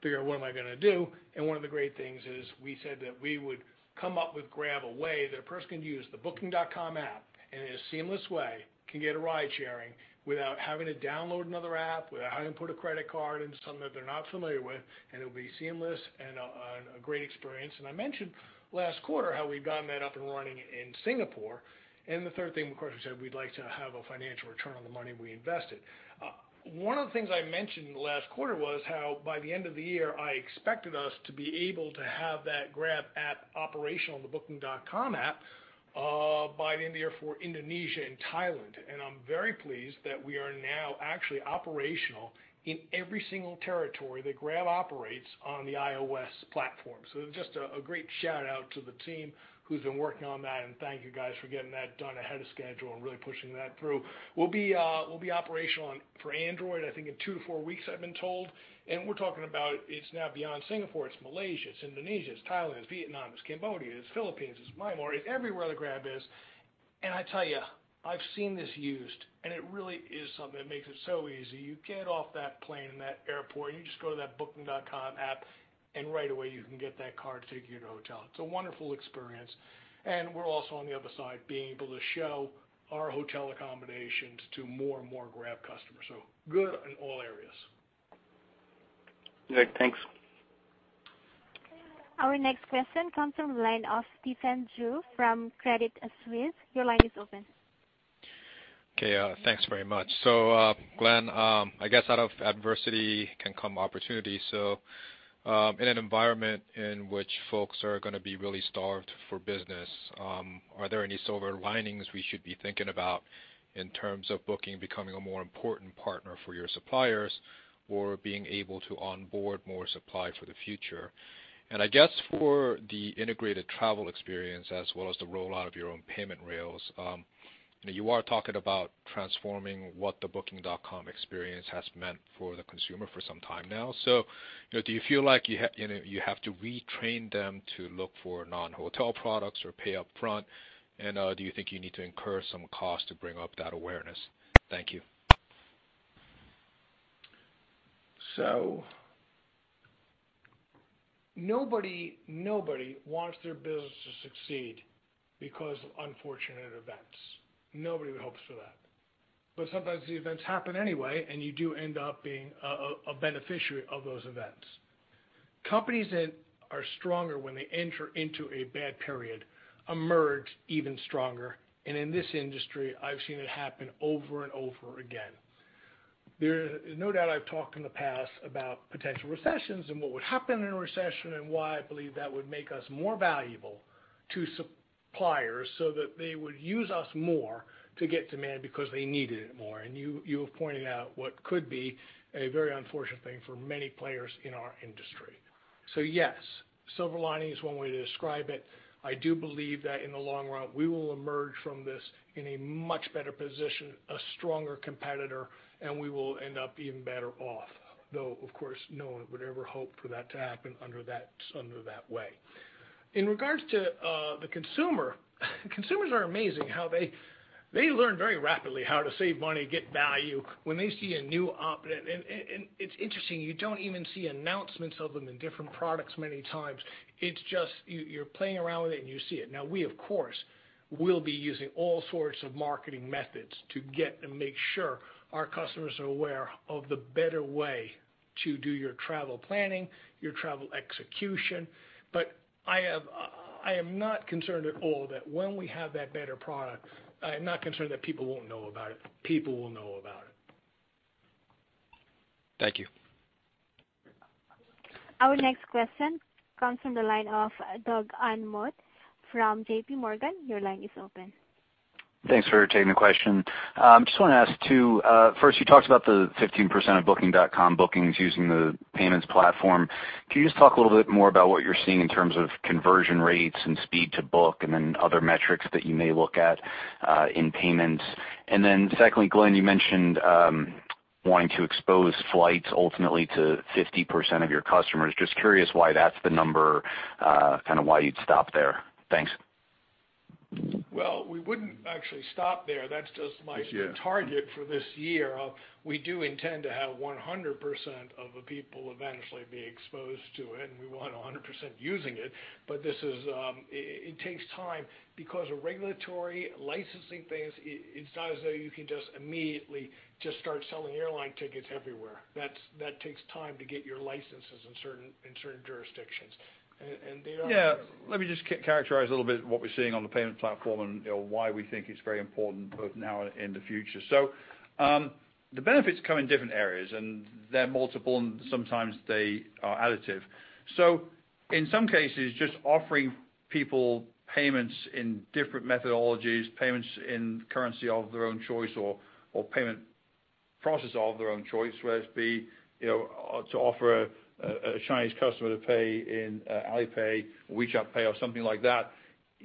S2: figure out, "What am I going to do?" One of the great things is we said that we would come up with Grab a way that a person can use the booking.com app in a seamless way, can get a ride sharing without having to download another app, without having to put a credit card into something that they're not familiar with, and it'll be seamless and a great experience. I mentioned last quarter how we've gotten that up and running in Singapore. The third thing, of course, we said we'd like to have a financial return on the money we invested. One of the things I mentioned last quarter was how, by the end of the year, I expected us to be able to have that Grab app operational on the Booking.com app by the end of the year for Indonesia and Thailand. I'm very pleased that we are now actually operational in every single territory that Grab operates on the iOS platform. Just a great shout-out to the team who's been working on that, and thank you, guys, for getting that done ahead of schedule and really pushing that through. We'll be operational for Android, I think in two to four weeks, I've been told. We're talking about it's now beyond Singapore. It's Malaysia, it's Indonesia, it's Thailand, it's Vietnam, it's Cambodia, it's Philippines, it's Myanmar. It's everywhere that Grab is. I tell you, I've seen this used, and it really is something that makes it so easy. You get off that plane in that airport, you just go to that Booking.com app, and right away you can get that car to take you to the hotel. It's a wonderful experience. We're also, on the other side, being able to show our hotel accommodations to more and more Grab customers. Good in all areas.
S12: Great. Thanks.
S1: Our next question comes from the line of Stephen Ju from Credit Suisse. Your line is open.
S13: Okay. Thanks very much. Glenn, I guess out of adversity can come opportunity. In an environment in which folks are going to be really starved for business, are there any silver linings we should be thinking about in terms of Booking becoming a more important partner for your suppliers or being able to onboard more supply for the future? I guess for the integrated travel experience as well as the rollout of your own payment rails, you are talking about transforming what the Booking.com experience has meant for the consumer for some time now. Do you feel like you have to retrain them to look for non-hotel products or pay up front? Do you think you need to incur some cost to bring up that awareness? Thank you.
S2: Nobody wants their business to succeed because of unfortunate events. Nobody would hopes for that. Sometimes the events happen anyway, and you do end up being a beneficiary of those events. Companies that are stronger when they enter into a bad period emerge even stronger. In this industry, I've seen it happen over and over again. There is no doubt I've talked in the past about potential recessions and what would happen in a recession and why I believe that would make us more valuable to suppliers so that they would use us more to get demand because they needed it more. You have pointed out what could be a very unfortunate thing for many players in our industry. Yes, silver lining is one way to describe it. I do believe that in the long run, we will emerge from this in a much better position, a stronger competitor, and we will end up even better off. Of course, no one would ever hope for that to happen under that way. In regards to the consumer, consumers are amazing how they learn very rapidly how to save money, get value when they see a new op. It's interesting, you don't even see announcements of them in different products many times. It's just you're playing around with it, and you see it. We, of course, will be using all sorts of marketing methods to get and make sure our customers are aware of the better way to do your travel planning, your travel execution. I am not concerned at all that when we have that better product, I am not concerned that people won't know about it. People will know about it.
S13: Thank you.
S1: Our next question comes from the line of Doug Anmuth from J.P. Morgan. Your line is open.
S14: Thanks for taking the question. I just want to ask two. First, you talked about the 15% of Booking.com bookings using the payments platform. Can you just talk a little bit more about what you're seeing in terms of conversion rates and speed to book and then other metrics that you may look at in payments? Secondly, Glenn, you mentioned wanting to expose flights ultimately to 50% of your customers. Just curious why that's the number, kind of why you'd stop there. Thanks.
S2: Well, we wouldn't actually stop there. That's just my target for this year. We do intend to have 100% of the people eventually be exposed to it, and we want 100% using it. It takes time because of regulatory licensing things. It's not as though you can just immediately just start selling airline tickets everywhere. That takes time to get your licenses in certain jurisdictions. They are.
S3: Yeah. Let me just characterize a little bit what we're seeing on the payment platform and why we think it's very important both now and in the future. The benefits come in different areas, and they're multiple, and sometimes they are additive. In some cases, just offering people payments in different methodologies, payments in currency of their own choice or payment process of their own choice, whether this be to offer a Chinese customer to pay in Alipay, WeChat Pay, or something like that.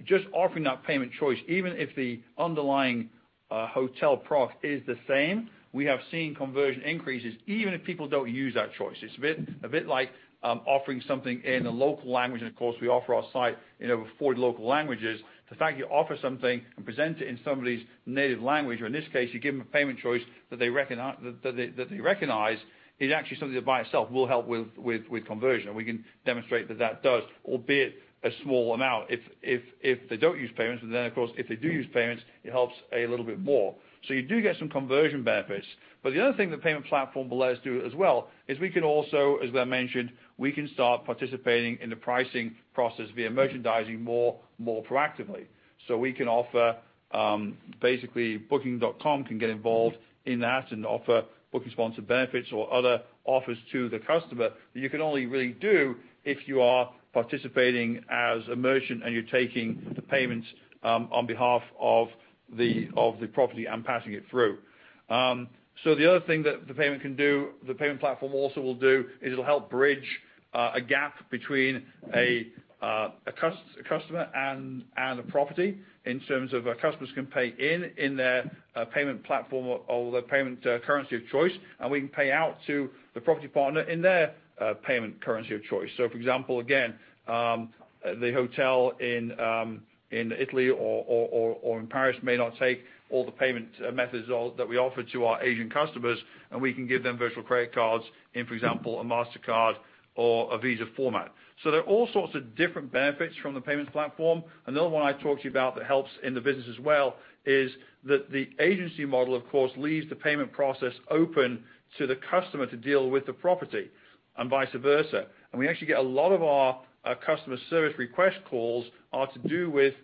S3: Just offering that payment choice, even if the underlying hotel product is the same, we have seen conversion increases even if people don't use that choice. It's a bit like offering something in the local language, and of course, we offer our site in over 40 local languages. The fact you offer something and present it in somebody's native language, or in this case, you give them a payment choice that they recognize, is actually something that by itself will help with conversion. We can demonstrate that that does, albeit a small amount if they don't use payments. Then, of course, if they do use payments, it helps a little bit more. You do get some conversion benefits. The other thing the payment platform will let us do as well is we can also, as Glenn mentioned, we can start participating in the pricing process via merchandising more proactively. Basically, Booking.com can get involved in that and offer Booking sponsored benefits or other offers to the customer that you can only really do if you are participating as a merchant and you're taking the payments on behalf of the property and passing it through. The other thing that the payment platform also will do is it'll help bridge a gap between a customer and a property in terms of customers can pay in their payment platform or their payment currency of choice, and we can pay out to the property partner in their payment currency of choice. For example, again, the hotel in Italy or in Paris may not take all the payment methods that we offer to our Asian customers, and we can give them virtual credit cards in, for example, a Mastercard or a Visa format. There are all sorts of different benefits from the payments platform. Another one I talked to you about that helps in the business as well is that the agency model, of course, leaves the payment process open to the customer to deal with the property and vice versa. We actually get a lot of our customer service request calls are to do with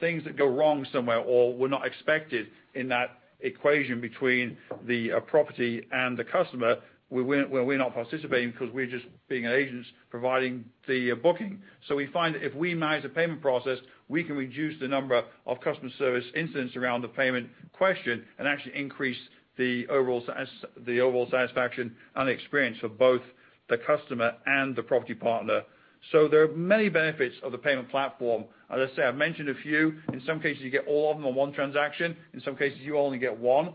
S3: things that go wrong somewhere or were not expected in that equation between the property and the customer where we're not participating because we're just being agents providing the booking. We find that if we manage the payment process, we can reduce the number of customer service incidents around the payment question and actually increase the overall satisfaction and experience for both the customer and the property partner. There are many benefits of the payment platform. As I say, I've mentioned a few. In some cases, you get all of them in one transaction. In some cases, you only get one.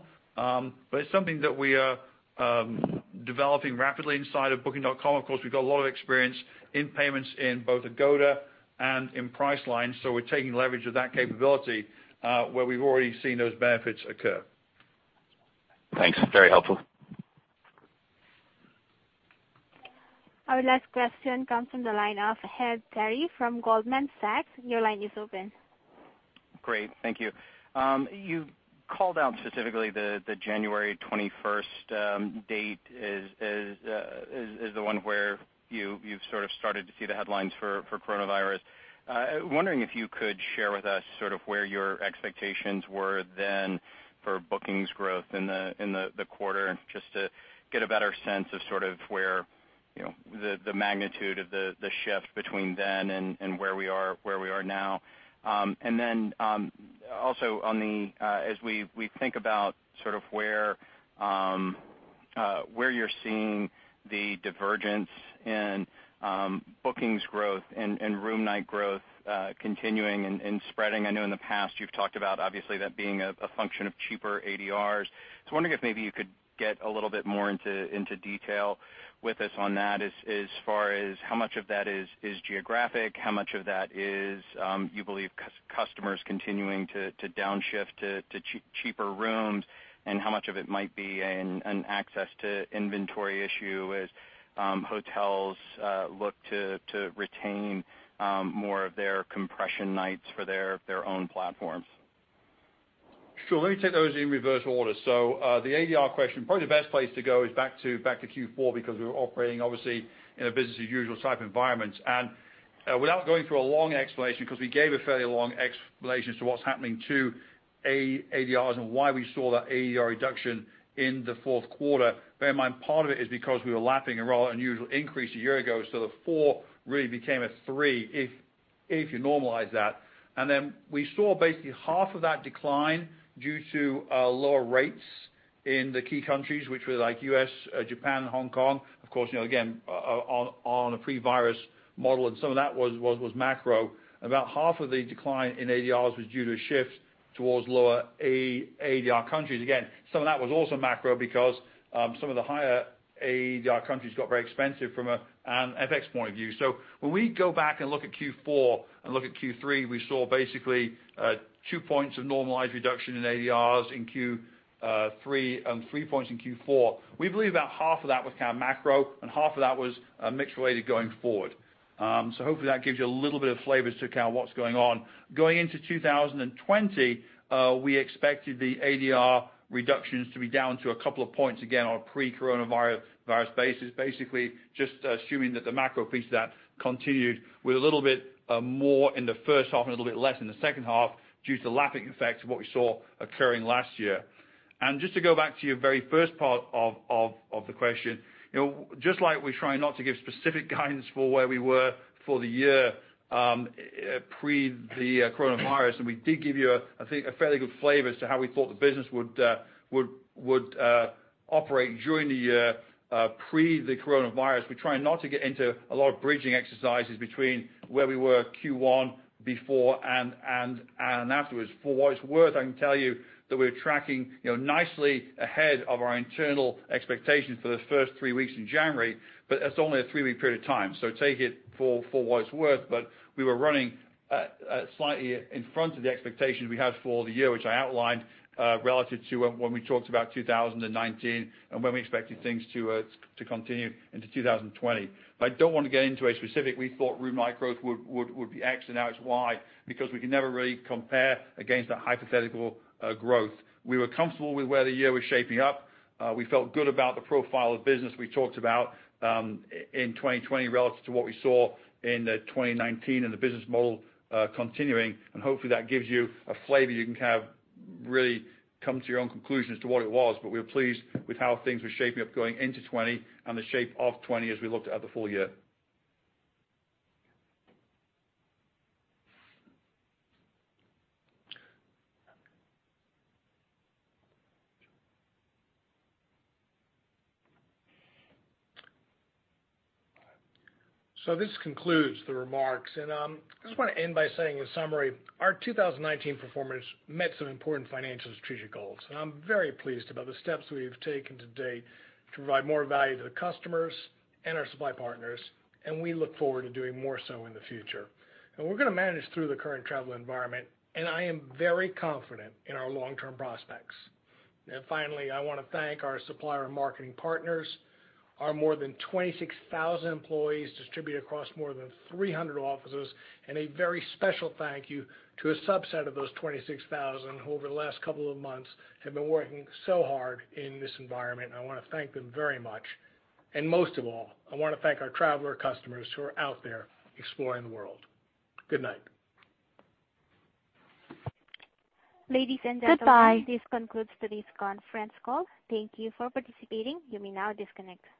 S3: It's something that we are developing rapidly inside of Booking.com. Of course, we've got a lot of experience in payments in both Agoda and in Priceline, so we're taking leverage of that capability, where we've already seen those benefits occur.
S14: Thanks. Very helpful.
S1: Our last question comes from the line of Heath Terry from Goldman Sachs. Your line is open.
S15: Great. Thank you. You called out specifically the January 21st date as the one where you've sort of started to see the headlines for coronavirus. Wondering if you could share with us sort of where your expectations were then for bookings growth in the quarter, just to get a better sense of sort of where the magnitude of the shift between then and where we are now. Also as we think about sort of where you're seeing the divergence in bookings growth and room night growth continuing and spreading. I know in the past you've talked about obviously that being a function of cheaper ADRs. Wondering if maybe you could get a little bit more into detail with us on that as far as how much of that is geographic, how much of that is you believe customers continuing to downshift to cheaper rooms, and how much of it might be an access to inventory issue as hotels look to retain more of their compression nights for their own platforms.
S3: Sure. Let me take those in reverse order. The ADR question, probably the best place to go is back to Q4 because we were operating obviously in a business as usual type environment. Without going through a long explanation, because we gave a fairly long explanation as to what's happening to ADRs and why we saw that ADR reduction in the Q4. Bear in mind, part of it is because we were lapping a rather unusual increase a year ago, so the four really became a three, if you normalize that. Then we saw basically half of that decline due to lower rates in the key countries, which were like U.S., Japan, and Hong Kong, of course, again, on a pre-virus model, and some of that was macro. About half of the decline in ADRs was due to a shift towards lower ADR countries. Again, some of that was also macro because some of the higher ADR countries got very expensive from an FX point of view. When we go back and look at Q4 and look at Q3, we saw basically 2 points of normalized reduction in ADRs in Q3 and 3 points in Q4. We believe about half of that was macro, and half of that was mixed weighted going forward. Hopefully, that gives you a little bit of flavor as to what's going on. Going into 2020, we expected the ADR reductions to be down to a couple of points, again, on a pre-coronavirus basis, basically just assuming that the macro piece of that continued with a little bit more in the H1 and a little bit less in the H2 due to the lapping effect of what we saw occurring last year. Just to go back to your very first part of the question, just like we try not to give specific guidance for where we were for the year pre the coronavirus, and we did give you, I think, a fairly good flavor as to how we thought the business would operate during the year pre the coronavirus. We try not to get into a lot of bridging exercises between where we were Q1 before and afterwards. For what it's worth, I can tell you that we're tracking nicely ahead of our internal expectations for the first three weeks in January, but that's only a three-week period of time. Take it for what it's worth. We were running slightly in front of the expectations we had for the year, which I outlined relative to when we talked about 2019 and when we expected things to continue into 2020. I don't want to get into a specific, we thought room night growth would be X and now it's Y, because we can never really compare against a hypothetical growth. We were comfortable with where the year was shaping up. We felt good about the profile of business we talked about in 2020 relative to what we saw in 2019 and the business model continuing. Hopefully, that gives you a flavor. You can really come to your own conclusion as to what it was. We were pleased with how things were shaping up going into 2020 and the shape of 2020 as we looked at the full year.
S2: This concludes the remarks. I just want to end by saying, in summary, our 2019 performance met some important financial strategic goals, and I'm very pleased about the steps we've taken to date to provide more value to the customers and our supply partners, and we look forward to doing more so in the future. We're going to manage through the current travel environment, and I am very confident in our long-term prospects. Finally, I want to thank our supplier and marketing partners, our more than 26,000 employees distributed across more than 300 offices, and a very special thank you to a subset of those 26,000 who, over the last couple of months, have been working so hard in this environment. I want to thank them very much. Most of all, I want to thank our traveler customers who are out there exploring the world. Good night.
S1: Ladies and gentlemen. Goodbye. This concludes today's conference call. Thank you for participating. You may now disconnect.